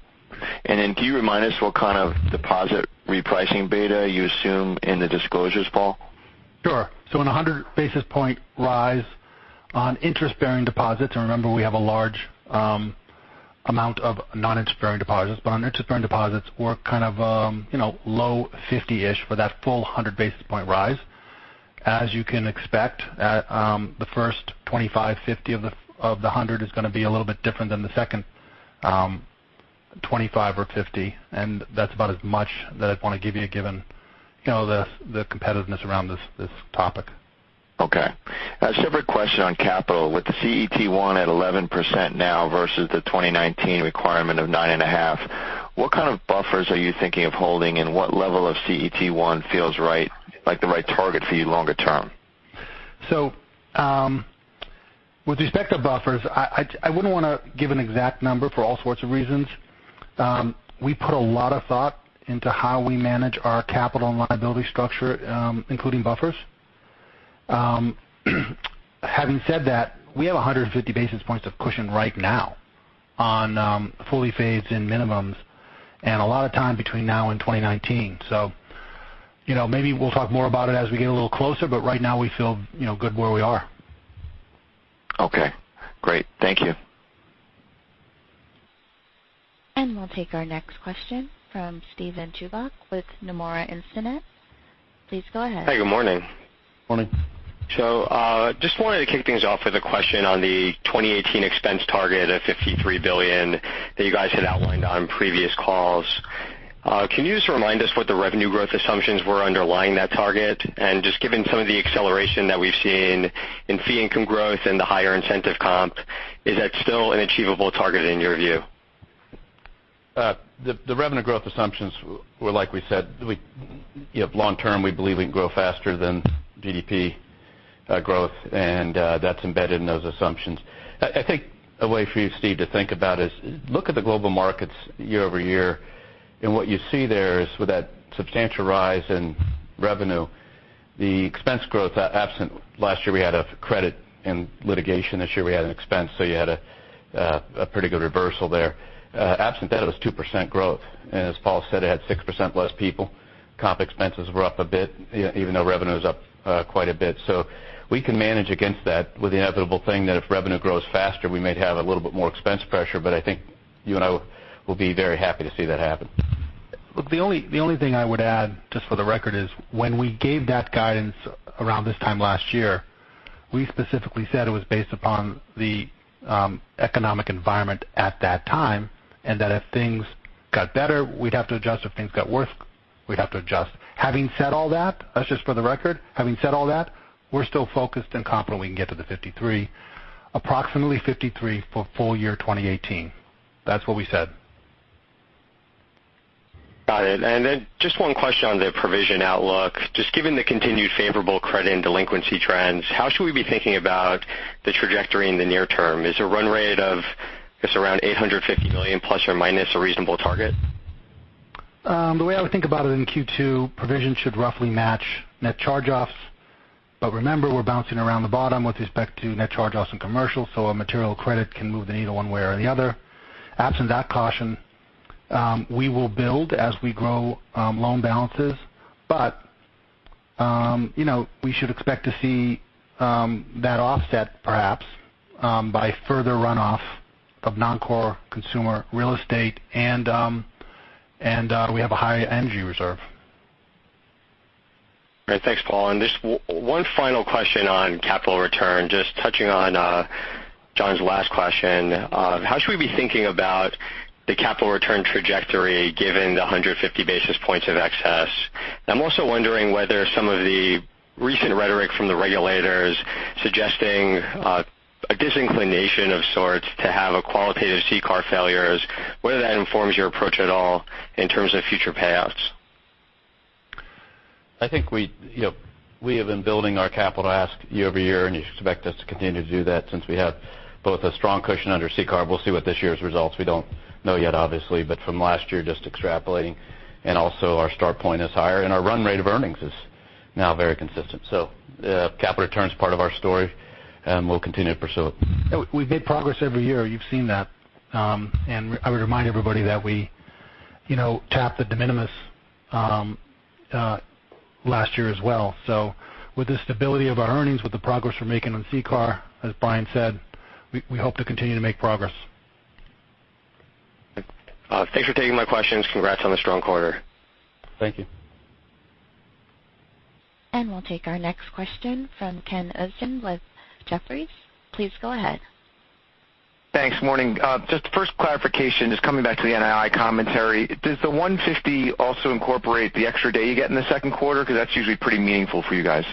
Can you remind us what kind of deposit repricing beta you assume in the disclosures, Paul? Sure. In a 100-basis point rise on interest-bearing deposits, and remember, we have a large amount of non-interest-bearing deposits. On interest-bearing deposits, we're kind of low fifty-ish for that full 100-basis point rise. As you can expect, the first 25, 50 of the 100 is going to be a little bit different than the second 25 or 50, and that's about as much that I'd want to give you given the competitiveness around this topic. Okay. A separate question on capital. With the CET1 at 11% now versus the 2019 requirement of 9.5%, what kind of buffers are you thinking of holding, and what level of CET1 feels like the right target for you longer term? With respect to buffers, I wouldn't want to give an exact number for all sorts of reasons. We put a lot of thought into how we manage our capital and liability structure, including buffers. Having said that, we have 150 basis points of cushion right now on fully phased-in minimums, and a lot of time between now and 2019. Maybe we'll talk more about it as we get a little closer, but right now we feel good where we are. Okay, great. Thank you. We'll take our next question from Steven Chubak with Nomura Instinet. Please go ahead. Hi, good morning. Morning. Just wanted to kick things off with a question on the 2018 expense target of $53 billion that you guys had outlined on previous calls. Can you just remind us what the revenue growth assumptions were underlying that target? Just given some of the acceleration that we've seen in fee income growth and the higher incentive comp, is that still an achievable target in your view? The revenue growth assumptions were like we said. Long term, we believe we can grow faster than GDP growth, and that's embedded in those assumptions. I think a way for you, Steve, to think about is look at the Global Markets year-over-year, and what you see there is with that substantial rise in revenue, the expense growth absent. Last year we had a credit and litigation. This year we had an expense, you had a pretty good reversal there. Absent that, it was 2% growth. As Paul said, it had 6% less people. Comp expenses were up a bit, even though revenue is up quite a bit. We can manage against that with the inevitable thing that if revenue grows faster, we might have a little bit more expense pressure. I think you and I will be very happy to see that happen. Look, the only thing I would add just for the record is when we gave that guidance around this time last year, we specifically said it was based upon the economic environment at that time, and that if things got better, we'd have to adjust. If things got worse, we'd have to adjust. Having said all that's just for the record, having said all that, we're still focused and confident we can get to the $53, approximately $53 for full year 2018. That's what we said. Got it. Just one question on the provision outlook. Just given the continued favorable credit and delinquency trends, how should we be thinking about the trajectory in the near term? Is a run rate of just around $850 million plus or minus a reasonable target? The way I would think about it in Q2, provision should roughly match net charge-offs. Remember, we're bouncing around the bottom with respect to net charge-offs and commercials, a material credit can move the needle one way or the other. Absent that caution, we will build as we grow loan balances, we should expect to see that offset perhaps by further runoff of non-core consumer real estate, and we have a high energy reserve. Great. Thanks, Paul. Just one final question on capital return, just touching on John's last question. How should we be thinking about the capital return trajectory given the 150 basis points of excess? I'm also wondering whether some of the recent rhetoric from the regulators suggesting a disinclination of sorts to have a qualitative CCAR failure is, whether that informs your approach at all in terms of future payoffs. I think we have been building our capital ask year-over-year, you should expect us to continue to do that since we have both a strong cushion under CCAR. We'll see what this year's results, we don't know yet, obviously, from last year, just extrapolating. Also our start point is higher and our run rate of earnings is now very consistent. Capital return is part of our story, we'll continue to pursue it. We've made progress every year. You've seen that. I would remind everybody that we tapped the de minimis last year as well. With the stability of our earnings, with the progress we're making on CCAR, as Brian said, we hope to continue to make progress. Thanks for taking my questions. Congrats on the strong quarter. Thank you. We'll take our next question from Kenneth Usdin with Jefferies. Please go ahead. Thanks. Morning. The first clarification, just coming back to the NII commentary. Does the $150 also incorporate the extra day you get in the second quarter? Because that's usually pretty meaningful for you guys.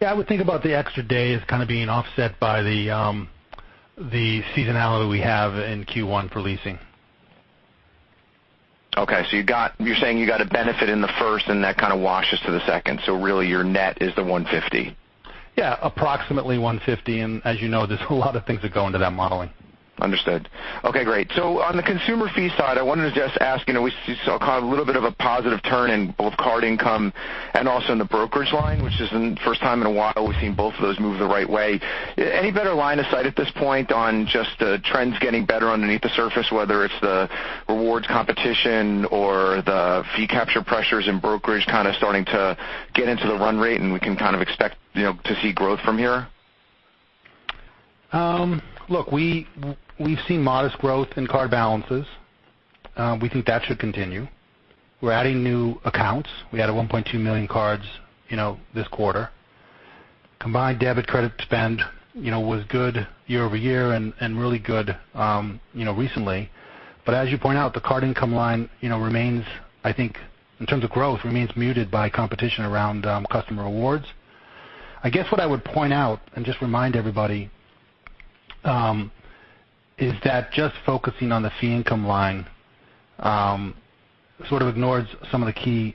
Yeah, I would think about the extra day as kind of being offset by the seasonality we have in Q1 for leasing. Okay. You're saying you got a benefit in the first and that kind of washes to the second. Really your net is the $150. Yeah, approximately $150. As you know, there's a lot of things that go into that modeling. Understood. Okay, great. On the consumer fee side, I wanted to just ask, we saw kind of a little bit of a positive turn in both card income and also in the brokerage line, which is the first time in a while we've seen both of those move the right way. Any better line of sight at this point on just the trends getting better underneath the surface, whether it's the rewards competition or the fee capture pressures in brokerage kind of starting to get into the run rate, and we can kind of expect to see growth from here? We've seen modest growth in card balances. We think that should continue. We're adding new accounts. We added 1.2 million cards this quarter. Combined debit credit spend was good year-over-year and really good recently. As you point out, the card income line remains, I think in terms of growth, remains muted by competition around customer rewards. What I would point out and just remind everybody is that just focusing on the fee income line sort of ignores some of the key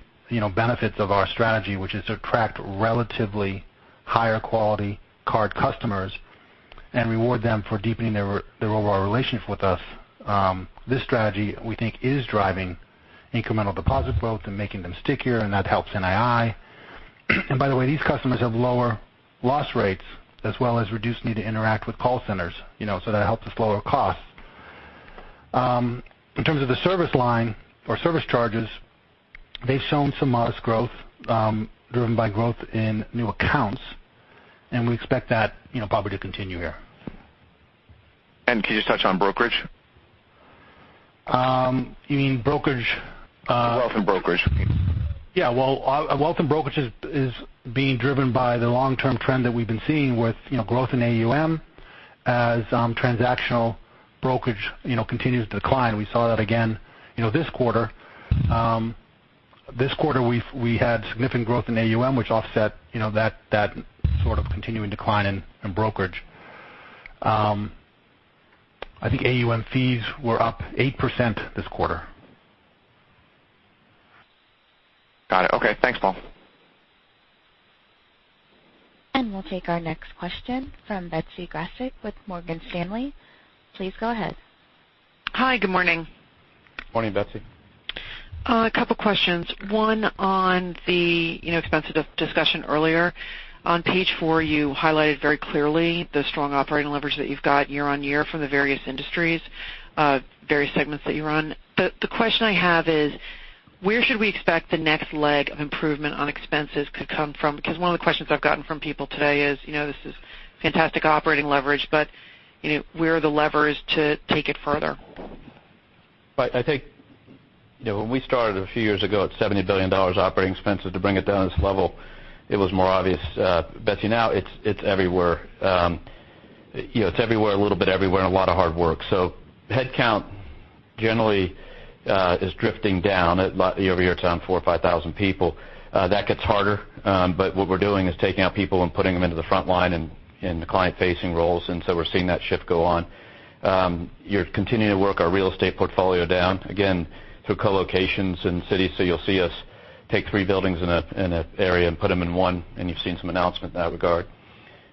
benefits of our strategy, which is to attract relatively higher quality card customers and reward them for deepening their overall relationship with us. This strategy, we think, is driving incremental deposit growth and making them stickier, and that helps NII. By the way, these customers have lower loss rates as well as reduced need to interact with call centers, so that helps with lower costs. In terms of the service line or service charges, they've shown some modest growth driven by growth in new accounts, and we expect that probably to continue here. Could you touch on brokerage? You mean brokerage? Wealth and brokerage. Yeah. Well, wealth and brokerage is being driven by the long-term trend that we've been seeing with growth in AUM as transactional brokerage continues to decline. We saw that again this quarter. This quarter, we had significant growth in AUM, which offset that sort of continuing decline in brokerage. I think AUM fees were up 8% this quarter. Got it. Okay. Thanks, Paul. We'll take our next question from Betsy Graseck with Morgan Stanley. Please go ahead. Hi. Good morning. Morning, Betsy. A couple questions. One on the expensive discussion earlier. On page four, you highlighted very clearly the strong operating leverage that you've got year-on-year from the various industries, various segments that you're on. The question I have is, where should we expect the next leg of improvement on expenses could come from? Because one of the questions I've gotten from people today is, this is fantastic operating leverage, but where are the levers to take it further? Right. I think when we started a few years ago at $70 billion operating expenses to bring it down to this level, it was more obvious. Betsy, now it's everywhere. It's everywhere, a little bit everywhere, and a lot of hard work. Headcount generally is drifting down, year-over-year, by 4,000 or 5,000 people. That gets harder. What we're doing is taking out people and putting them into the frontline and the client-facing roles. We're seeing that shift go on. We're continuing to work our real estate portfolio down, again, through co-locations in cities. You'll see us take 3 buildings in an area and put them in 1, and you've seen some announcement in that regard.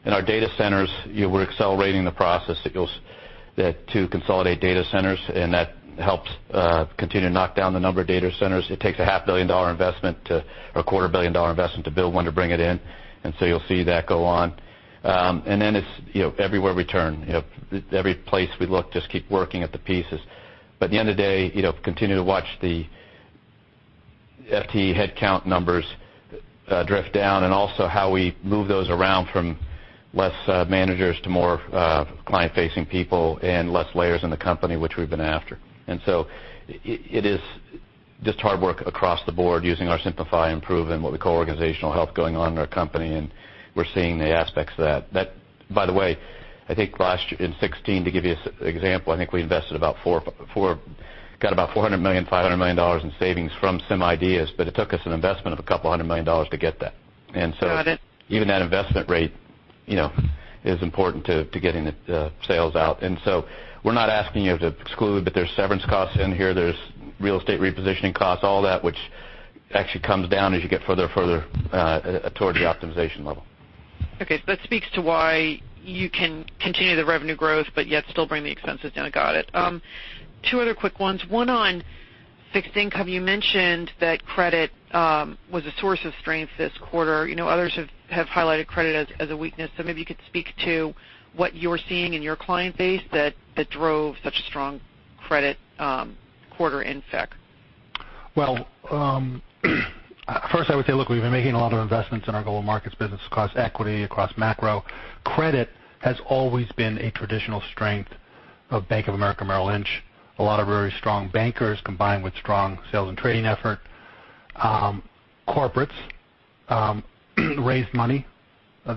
In our data centers, we're accelerating the process to consolidate data centers, and that helps continue to knock down the number of data centers. It takes a quarter-billion-dollar investment to build 1 to bring it in. You'll see that go on. It's everywhere we turn. Every place we look, just keep working at the pieces. At the end of the day, continue to watch the FT headcount numbers drift down and also how we move those around from less managers to more client-facing people and less layers in the company, which we've been after. It is just hard work across the board using our Simplify, Improve, and what we call Organizational Health going on in our company, and we're seeing the aspects of that. By the way, I think in 2016, to give you an example, I think we got about $400 million, $500 million in savings from some ideas, but it took us an investment of $200 million to get that. Got it. Even that investment rate is important to getting the savings out. We're not asking you to exclude, but there's severance costs in here, there's real estate repositioning costs, all that, which actually comes down as you get further towards the optimization level. Okay. That speaks to why you can continue the revenue growth but yet still bring the expenses down. Got it. Two other quick ones, one on fixed income. You mentioned that credit was a source of strength this quarter. Others have highlighted credit as a weakness, so maybe you could speak to what you're seeing in your client base that drove such a strong credit quarter in FICC. Well, first I would say, look, we've been making a lot of investments in our Global Markets business across equity, across macro. Credit has always been a traditional strength of Bank of America Merrill Lynch. A lot of very strong bankers combined with strong sales and trading effort. Corporates raised money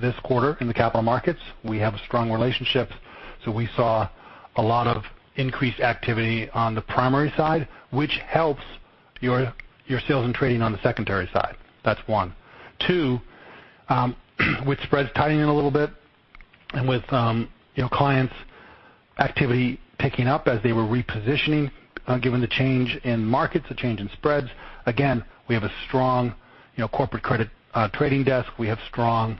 this quarter in the capital markets. We have strong relationships, so we saw a lot of increased activity on the primary side, which helps your sales and trading on the secondary side. That's one. Two, with spreads tightening a little bit and with clients' activity picking up as they were repositioning, given the change in markets, the change in spreads, again, we have a strong corporate credit trading desk. We have strong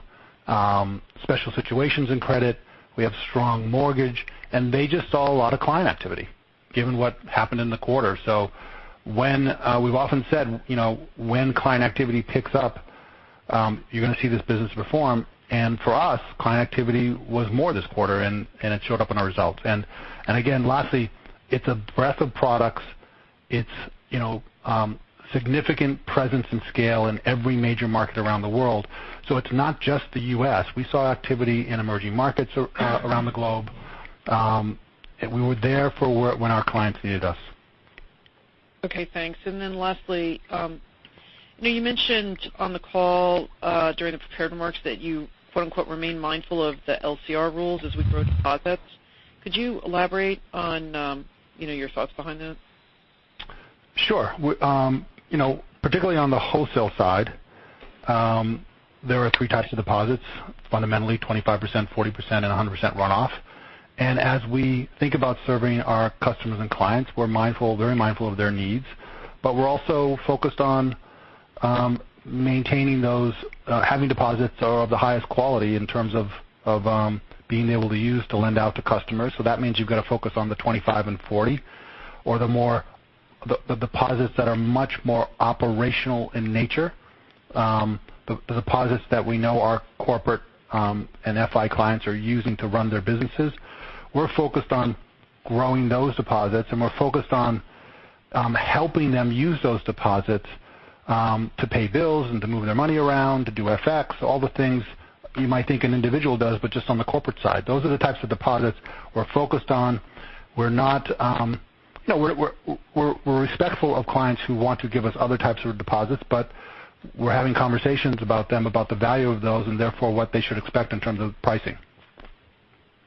special situations in credit. We have strong mortgage, and they just saw a lot of client activity given what happened in the quarter. We've often said, when client activity picks up, you're going to see this business perform. For us, client activity was more this quarter, and it showed up in our results. Again, lastly, it's a breadth of products. It's significant presence and scale in every major market around the world. It's not just the U.S. We saw activity in emerging markets around the globe. We were there for when our clients needed us. Okay, thanks. Lastly, you mentioned on the call during the prepared remarks that you, quote-unquote, "Remain mindful of the LCR rules as we grow deposits." Could you elaborate on your thoughts behind that? Sure. Particularly on the wholesale side, there are 3 types of deposits. Fundamentally, 25%, 40% and 100% runoff. As we think about serving our customers and clients, we're very mindful of their needs, but we're also focused on maintaining those, having deposits that are of the highest quality in terms of being able to use to lend out to customers. That means you've got to focus on the 25 and 40 or the deposits that are much more operational in nature. The deposits that we know our corporate and FI clients are using to run their businesses. We're focused on growing those deposits, and we're focused on helping them use those deposits to pay bills and to move their money around, to do FX, all the things you might think an individual does, but just on the corporate side. Those are the types of deposits we're focused on. We're respectful of clients who want to give us other types of deposits, we're having conversations about them, about the value of those, and therefore what they should expect in terms of pricing.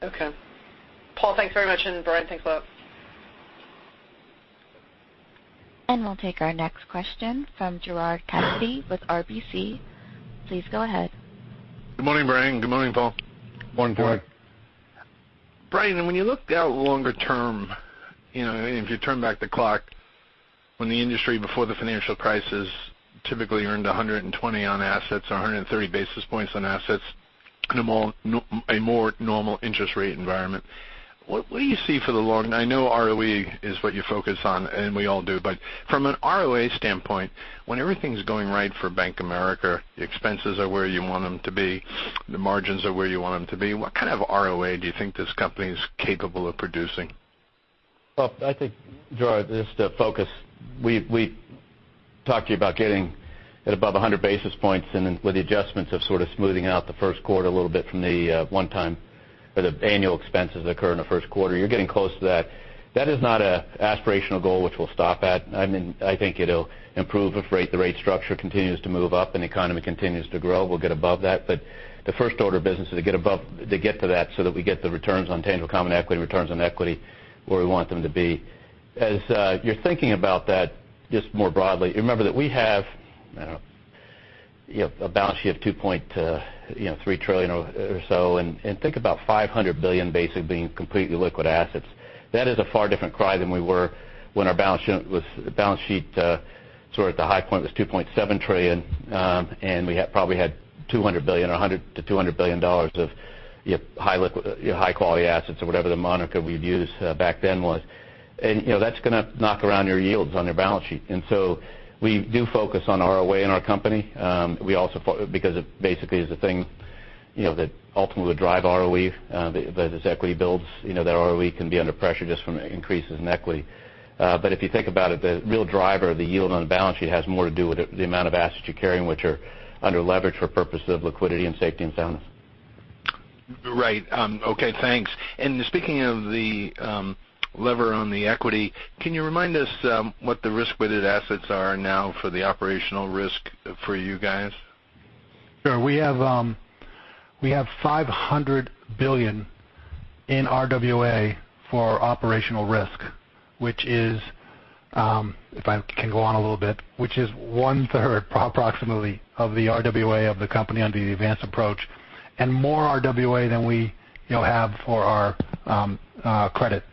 Okay. Paul, thanks very much. Brian, thanks a lot. We'll take our next question from Gerard Cassidy with RBC. Please go ahead. Good morning, Brian. Good morning, Paul. Good morning, Paul. Brian, when you look out longer term, if you turn back the clock when the industry before the financial crisis typically earned 120 on assets or 130 basis points on assets in a more normal interest rate environment, what do you see? I know ROE is what you focus on and we all do, but from an ROA standpoint, when everything's going right for Bank of America, the expenses are where you want them to be, the margins are where you want them to be. What kind of ROA do you think this company is capable of producing? Well, I think, Gerard, just to focus, we talked to you about getting at above 100 basis points and with the adjustments of sort of smoothing out the first quarter a little bit from the one time where the annual expenses occur in the first quarter. You're getting close to that. That is not an aspirational goal which we'll stop at. I think it'll improve if the rate structure continues to move up and the economy continues to grow. We'll get above that, the first order of business is to get to that so that we get the returns on tangible common equity, returns on equity where we want them to be. As you're thinking about that, just more broadly, remember that we have a balance sheet of $2.3 trillion or so. Think about $500 billion basically being completely liquid assets. That is a far different cry than we were when our balance sheet sort of at the high point was $2.7 trillion. We probably had $200 billion or $100 billion-$200 billion of high quality assets or whatever the moniker we'd use back then was. That's going to knock around your yields on your balance sheet. We do focus on ROA in our company. It basically is the thing that ultimately would drive ROE. As equity builds, that ROE can be under pressure just from increases in equity. If you think about it, the real driver of the yield on the balance sheet has more to do with the amount of assets you're carrying, which are under leverage for purpose of liquidity and safety and soundness. Right. Okay, thanks. Speaking of the lever on the equity, can you remind us what the risk-weighted assets are now for the operational risk for you guys? Sure. We have $500 billion in RWA for operational risk, which is, if I can go on a little bit, which is one-third approximately of the RWA of the company under the advanced approach. More RWA than we have for our credit.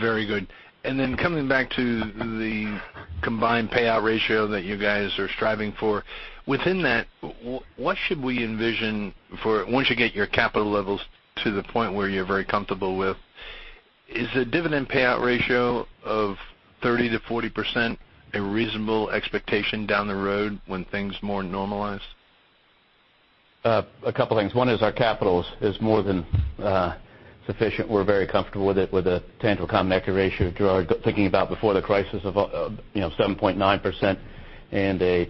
Very good. Coming back to the combined payout ratio that you guys are striving for. Within that, what should we envision for once you get your capital levels to the point where you're very comfortable with? Is a dividend payout ratio of 30%-40% a reasonable expectation down the road when things more normalize? A couple of things. One is our capital is more than sufficient. We're very comfortable with it with a tangible common equity ratio, Gerard, thinking about before the crisis of 7.9% and a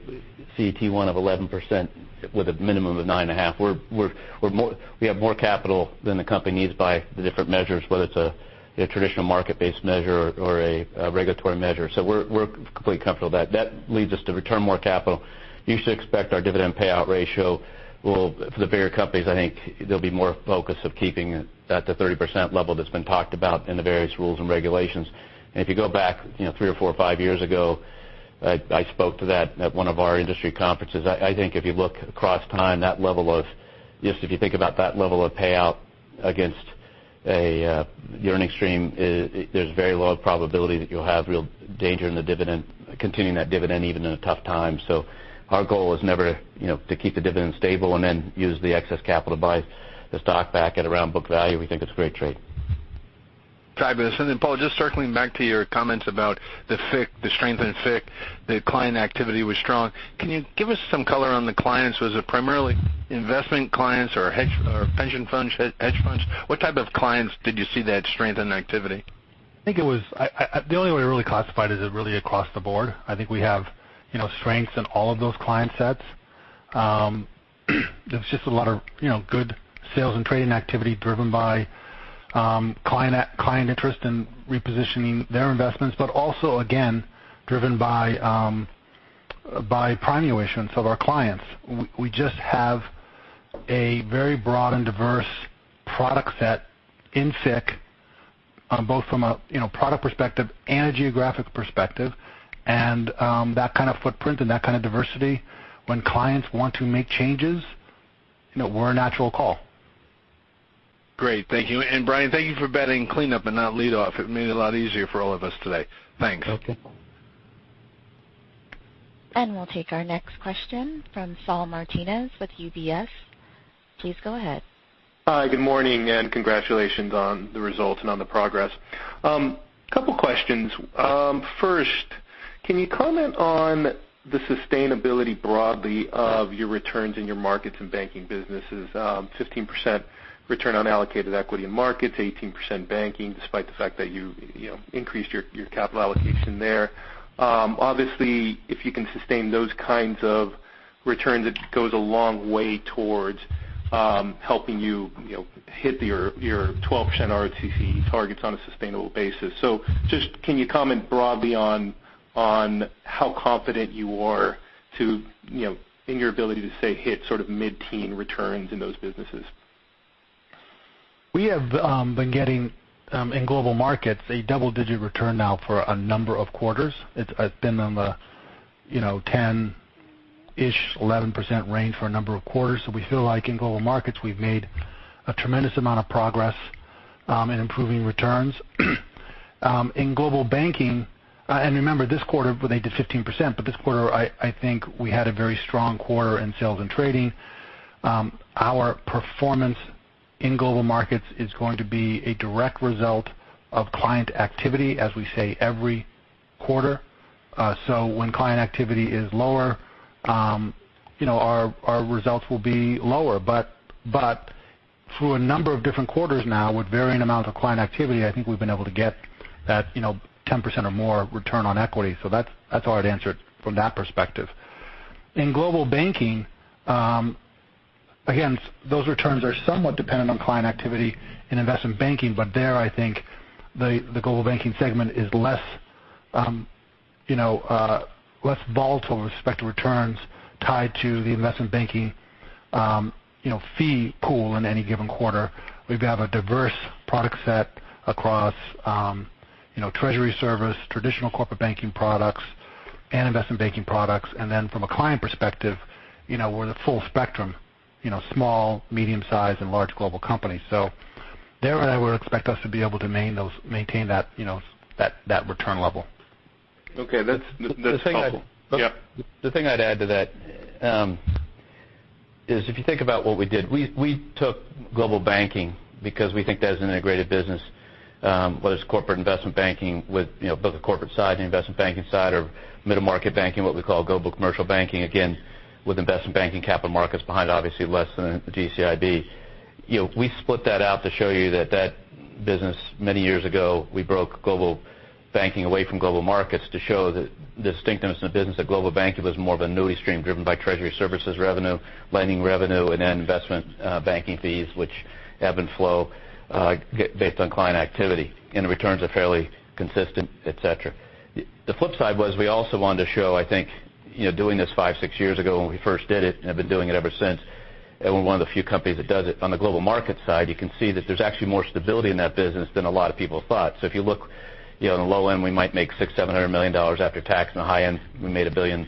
CET1 of 11% with a minimum of 9.5%. We have more capital than the company needs by the different measures, whether it's a traditional market-based measure or a regulatory measure. We're completely comfortable with that. That leads us to return more capital. You should expect our dividend payout ratio will, for the bigger companies, I think they'll be more focused of keeping it at the 30% level that's been talked about in the various rules and regulations. If you go back three or four or five years ago, I spoke to that at one of our industry conferences. I think if you look across time, that level of, just if you think about that level of payout against your earnings stream, there's very low probability that you'll have real danger in the dividend, continuing that dividend even in a tough time. Our goal is never to keep the dividend stable and then use the excess capital to buy the stock back at around book value. We think it's a great trade. Fabulous. Paul, just circling back to your comments about the strength in FICC, the client activity was strong. Can you give us some color on the clients? Was it primarily investment clients or pension funds, hedge funds? What type of clients did you see that strength and activity? I think the only way I really classified it is really across the board. I think we have strengths in all of those client sets. There's just a lot of good sales and trading activity driven by client interest in repositioning their investments, but also again, driven by prime issuance of our clients. We just have a very broad and diverse product set in FICC, both from a product perspective and a geographic perspective. That kind of footprint and that kind of diversity when clients want to make changes, we're a natural call. Great. Thank you. Brian, thank you for batting cleanup and not leadoff. It made it a lot easier for all of us today. Thanks. Okay. We'll take our next question from Saul Martinez with UBS. Please go ahead. Hi. Good morning, congratulations on the results and on the progress. Couple questions. First, can you comment on the sustainability broadly of your returns in your markets and banking businesses? 15% return on allocated equity in markets, 18% banking, despite the fact that you increased your capital allocation there. Obviously, if you can sustain those kinds of returns, it goes a long way towards helping you hit your 12% ROTCE targets on a sustainable basis. Just can you comment broadly on how confident you are in your ability to, say, hit sort of mid-teen returns in those businesses? We have been getting, in Global Markets, a double-digit return now for a number of quarters. It's been on the 10-ish, 11% range for a number of quarters. We feel like in Global Markets, we've made a tremendous amount of progress in improving returns. In Global Banking, remember this quarter they did 15%, this quarter, I think we had a very strong quarter in sales and trading. Our performance in Global Markets is going to be a direct result of client activity, as we say, every quarter. When client activity is lower our results will be lower. Through a number of different quarters now with varying amounts of client activity, I think we've been able to get that 10% or more return on equity. That's how I'd answer it from that perspective. In Global Banking, again, those returns are somewhat dependent on client activity in investment banking. There, I think, the Global Banking segment is less volatile with respect to returns tied to the investment banking fee pool in any given quarter. We've got a diverse product set across treasury service, traditional corporate banking products, and investment banking products. From a client perspective, we're the full spectrum, small, medium size, and large global companies. There I would expect us to be able to maintain that return level. Okay. That's helpful. The thing I'd- Yeah. The thing I'd add to that is if you think about what we did. We took Global Banking because we think that as an integrated business, whether it's corporate investment banking with both the corporate side and investment banking side or middle market banking, what we call Global Commercial Banking, again, with investment banking capital markets behind obviously less than GCIB. We split that out to show you that that business many years ago, we broke Global Banking away from Global Markets to show the distinctiveness in the business that Global Banking was more of an annuity stream driven by treasury services revenue, lending revenue, investment banking fees which ebb and flow based on client activity. The returns are fairly consistent, et cetera. The flip side was we also wanted to show, I think, doing this five, six years ago when we first did it, and have been doing it ever since, and we're one of the few companies that does it. On the Global Markets side, you can see that there's actually more stability in that business than a lot of people thought. If you look on the low end, we might make $600 million, $700 million after tax. On the high end, we made $1.3 billion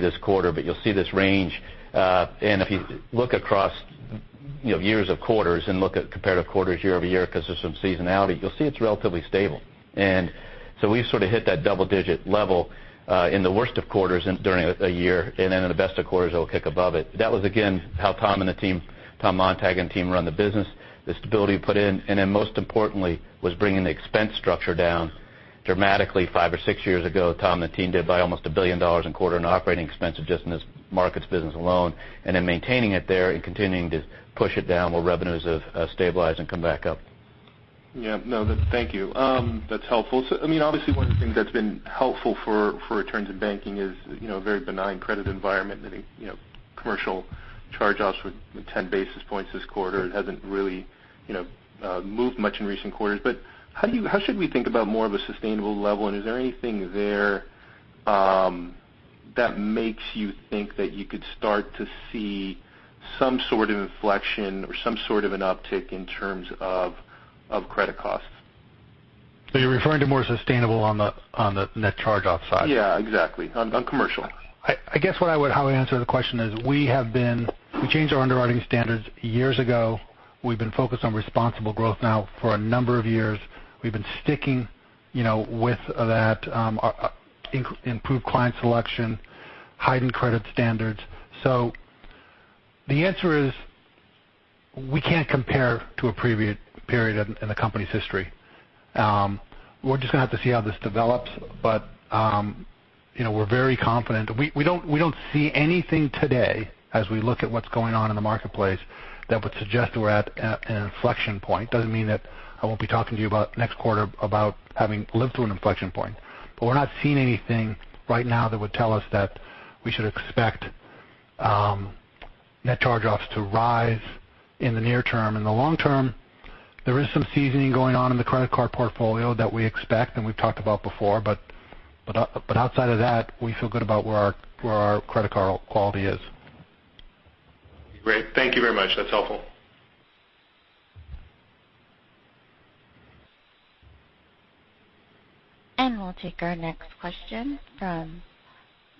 this quarter, but you'll see this range. If you look across years of quarters and look at comparative quarters year-over-year because there's some seasonality, you'll see it's relatively stable. We sort of hit that double-digit level in the worst of quarters during a year. In the best of quarters, it'll kick above it. That was again, how Tom Montag and team run the business, the stability put in, and then most importantly, was bringing the expense structure down dramatically five or six years ago. Tom and the team did by almost $1 billion in quarter in operating expenses just in this Markets business alone, and then maintaining it there and continuing to push it down while revenues have stabilized and come back up. Yeah. No. Thank you. That's helpful. Obviously one of the things that's been helpful for returns in banking is very benign credit environment. I think commercial charge-offs were 10 basis points this quarter. It hasn't really moved much in recent quarters. How should we think about more of a sustainable level, and is there anything there that makes you think that you could start to see some sort of inflection or some sort of an uptick in terms of credit costs? Are you referring to more sustainable on the net charge-off side? Yeah, exactly. On commercial. I guess how I would answer the question is we changed our underwriting standards years ago. We've been focused on responsible growth now for a number of years. We've been sticking with that improved client selection, heightened credit standards. The answer is we can't compare to a previous period in the company's history. We're just going to have to see how this develops. We're very confident. We don't see anything today as we look at what's going on in the marketplace that would suggest that we're at an inflection point. Doesn't mean that I won't be talking to you next quarter about having lived through an inflection point. We're not seeing anything right now that would tell us that we should expect net charge-offs to rise in the near term. There is some seasoning going on in the credit card portfolio that we expect and we've talked about before, but outside of that, we feel good about where our credit card quality is. Great. Thank you very much. That's helpful. We'll take our next question from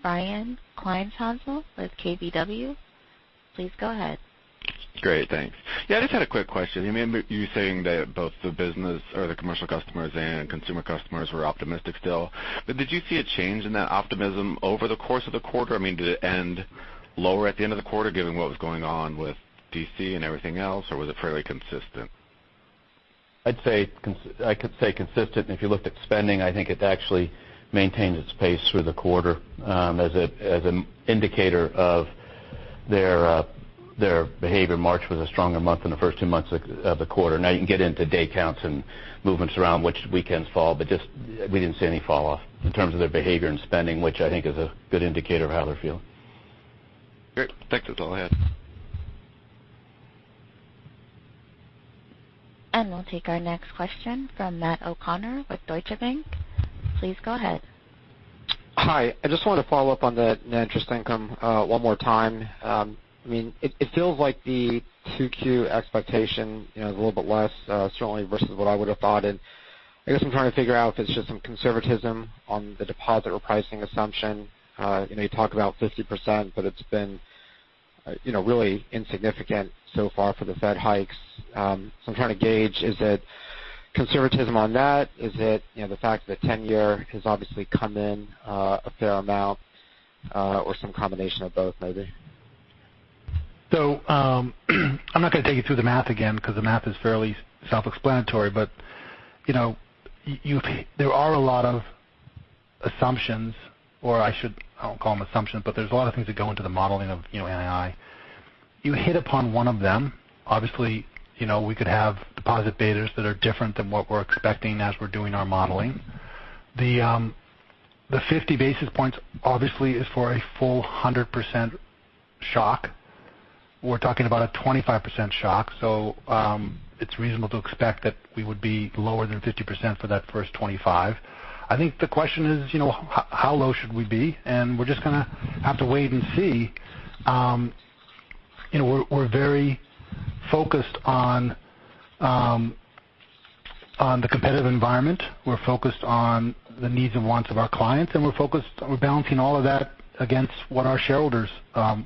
Brian Kleinhanzl with KBW. Please go ahead. Great, thanks. Yeah, I just had a quick question. You were saying that both the business or the commercial customers and consumer customers were optimistic still, but did you see a change in that optimism over the course of the quarter? I mean, did it end lower at the end of the quarter, given what was going on with D.C. and everything else, or was it fairly consistent? I could say consistent. If you looked at spending, I think it actually maintained its pace through the quarter. As an indicator of their behavior, March was a stronger month than the first two months of the quarter. Now you can get into day counts and movements around which weekends fall, but just we didn't see any fall off in terms of their behavior and spending, which I think is a good indicator of how they're feeling. Great. Thanks. That's all I had. We'll take our next question from Matthew O'Connor with Deutsche Bank. Please go ahead. Hi. I just wanted to follow up on the Net Interest Income one more time. It feels like the 2Q expectation is a little bit less strongly versus what I would have thought. I guess I'm trying to figure out if it's just some conservatism on the deposit or pricing assumption. You talk about 50%, but it's been really insignificant so far for the Fed hikes. I'm trying to gauge, is it conservatism on that? Is it the fact that 10-year has obviously come in a fair amount, or some combination of both, maybe? I'm not going to take you through the math again because the math is fairly self-explanatory. There are a lot of assumptions, or I won't call them assumptions, but there's a lot of things that go into the modeling of NII. You hit upon one of them. Obviously, we could have deposit betas that are different than what we're expecting as we're doing our modeling. The 50 basis points obviously is for a full 100% shock. We're talking about a 25% shock. It's reasonable to expect that we would be lower than 50% for that first 25. I think the question is, how low should we be? We're just going to have to wait and see. We're very focused on the competitive environment. We're focused on the needs and wants of our clients, and we're balancing all of that against what our shareholders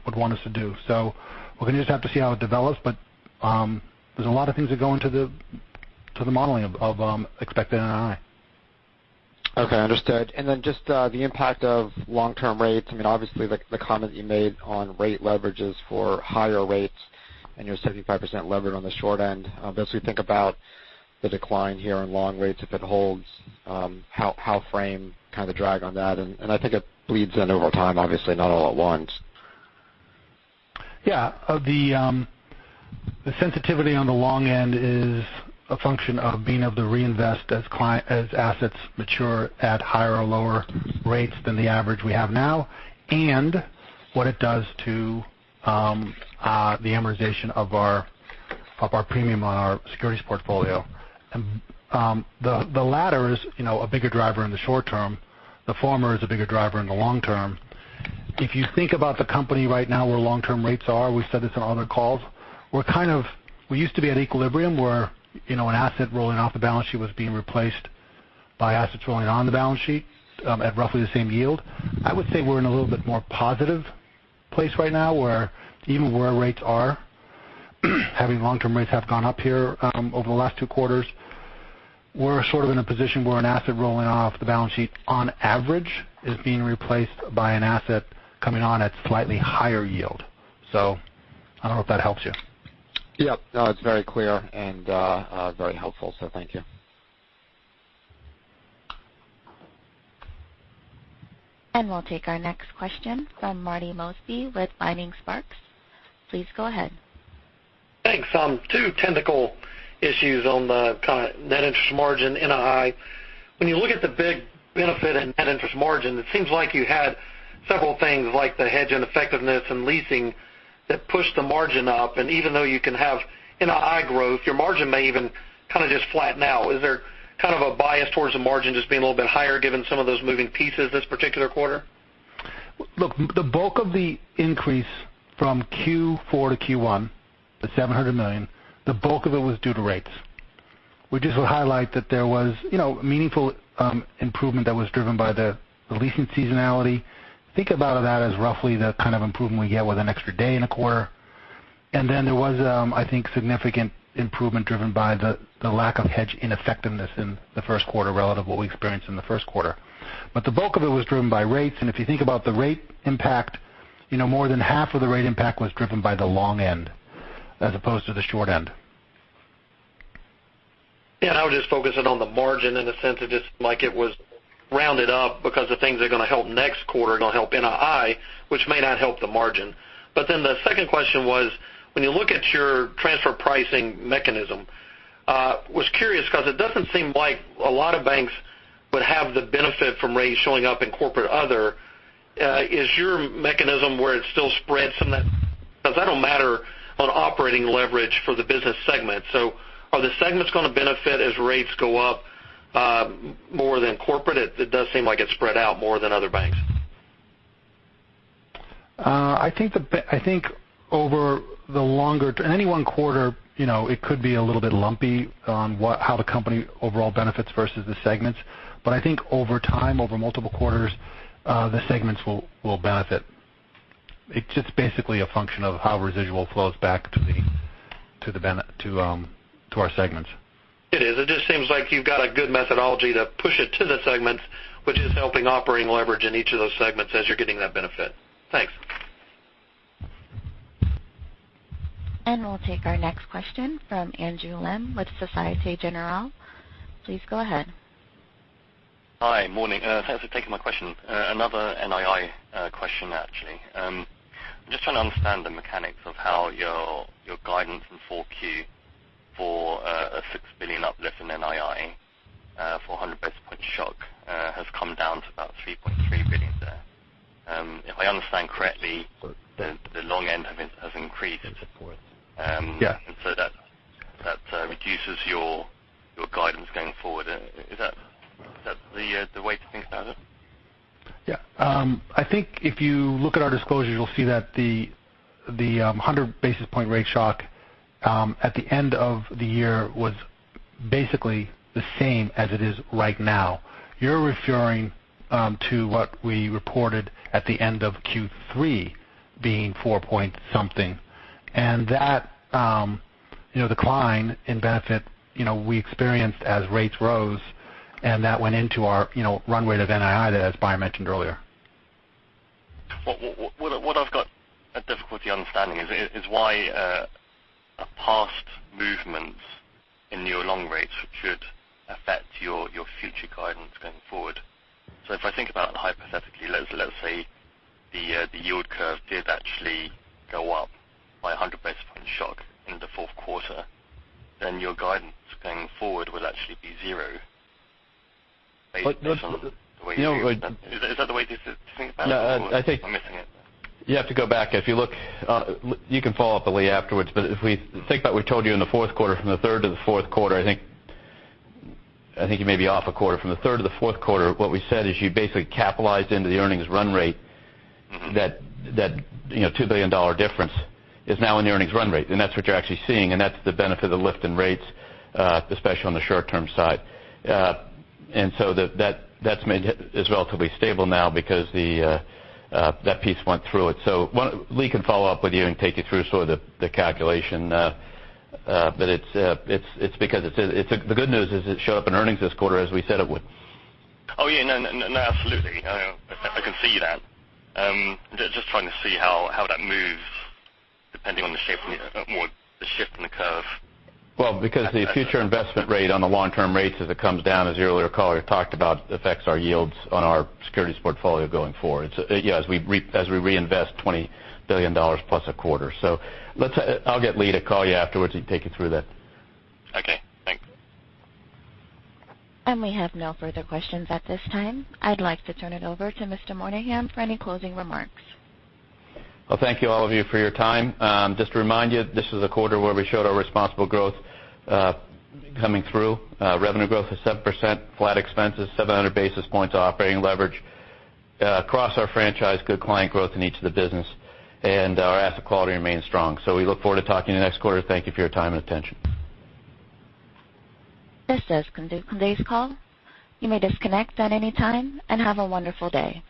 would want us to do. We're going to just have to see how it develops, but there's a lot of things that go into the modeling of expected NII. Okay, understood. Just the impact of long-term rates. Obviously, the comment you made on rate leverage is for higher rates, and you're 75% levered on the short end. Obviously, think about the decline here in long rates, if it holds, how framed kind of the drag on that. I think it bleeds in over time, obviously not all at once. Yeah. The sensitivity on the long end is a function of being able to reinvest as assets mature at higher or lower rates than the average we have now, and what it does to the amortization of our premium on our securities portfolio. The latter is a bigger driver in the short term. The former is a bigger driver in the long term. If you think about the company right now, where long-term rates are, we've said this on other calls, we used to be at equilibrium where an asset rolling off the balance sheet was being replaced by assets rolling on the balance sheet at roughly the same yield. I would say we're in a little bit more positive place right now where even where rates are, having long-term rates have gone up here over the last two quarters. We're sort of in a position where an asset rolling off the balance sheet on average is being replaced by an asset coming on at slightly higher yield. I don't know if that helps you. Yep. No, it's very clear and very helpful. Thank you. We'll take our next question from Marty Mosby with Vining Sparks. Please go ahead. Thanks. Two technical issues on the kind of net interest margin NII. When you look at the big benefit in net interest margin, it seems like you had several things like the hedge ineffectiveness and leasing that pushed the margin up. Even though you can have NII growth, your margin may even kind of just flatten out. Is there kind of a bias towards the margin just being a little bit higher given some of those moving pieces this particular quarter? Look, the bulk of the increase from Q4 to Q1, the $700 million, the bulk of it was due to rates. We just would highlight that there was meaningful improvement that was driven by the leasing seasonality. Think about that as roughly the kind of improvement we get with an extra day in a quarter. Then there was, I think, significant improvement driven by the lack of hedge ineffectiveness in the first quarter relative to what we experienced in the first quarter. The bulk of it was driven by rates. If you think about the rate impact, more than half of the rate impact was driven by the long end as opposed to the short end. Yeah, I was just focusing on the margin in the sense of just like it was rounded up because the things that are going to help next quarter are going to help NII, which may not help the margin. The second question was, when you look at your transfer pricing mechanism, I was curious because it doesn't seem like a lot of banks would have the benefit from rates showing up in corporate other. Is your mechanism where it still spreads some of that? Because that'll matter on operating leverage for the business segment. Are the segments going to benefit as rates go up more than corporate? It does seem like it's spread out more than other banks. I think over the longer Any one quarter, it could be a little bit lumpy on how the company overall benefits versus the segments. I think over time, over multiple quarters, the segments will benefit. It's just basically a function of how residual flows back to our segments. It is. It just seems like you've got a good methodology to push it to the segments, which is helping operating leverage in each of those segments as you're getting that benefit. Thanks. We'll take our next question from Andrew Lim with Societe Generale. Please go ahead. Hi. Morning. Thanks for taking my question. Another NII question, actually. I'm just trying to understand the mechanics of how your guidance in 4Q for a $6 billion uplift in NII for 100 basis point shock has come down to about $3.3 billion there. If I understand correctly, the long end has increased. Yes. That reduces your guidance going forward. Is that the way to think about it? Yeah. I think if you look at our disclosures, you'll see that the 100 basis point rate shock at the end of the year was basically the same as it is right now. You're referring to what we reported at the end of Q3, being four point something. That decline in benefit we experienced as rates rose, and that went into our runway to NII, as Brian mentioned earlier. What I've got a difficulty understanding is why past movements in your long rates should affect your future guidance going forward. If I think about it hypothetically, let's say the yield curve did actually go up by 100 basis point shock in the fourth quarter, then your guidance going forward would actually be 0 based on the way you No. Is that the way to think about it? No. Am I missing it? You have to go back. You can follow up with Lee afterwards, if we think about we've told you in the fourth quarter, from the third to the fourth quarter, I think you may be off a quarter. From the third to the fourth quarter, what we said is you basically capitalized into the earnings run rate. That $2 billion difference is now in the earnings run rate. That's what you're actually seeing, and that's the benefit of the lift in rates, especially on the short-term side. That's relatively stable now because that piece went through it. Lee can follow up with you and take you through sort of the calculation. The good news is it showed up in earnings this quarter as we said it would. Oh, yeah. No, absolutely. I can see that. Just trying to see how that moves depending on the shape or the shift in the curve. Because the future investment rate on the long-term rates as it comes down, as the earlier caller talked about, affects our yields on our securities portfolio going forward as we reinvest $20 billion plus a quarter. I'll get Lee to call you afterwards. He can take you through that. Okay, thanks. We have no further questions at this time. I'd like to turn it over to Mr. Moynihan for any closing remarks. Well, thank you all of you for your time. Just to remind you, this was a quarter where we showed our responsible growth coming through. Revenue growth of 7%, flat expenses, 700 basis points operating leverage. Across our franchise, good client growth in each of the business, and our asset quality remains strong. I look forward to talking to you next quarter. Thank you for your time and attention. This does conclude today's call. You may disconnect at any time, and have a wonderful day.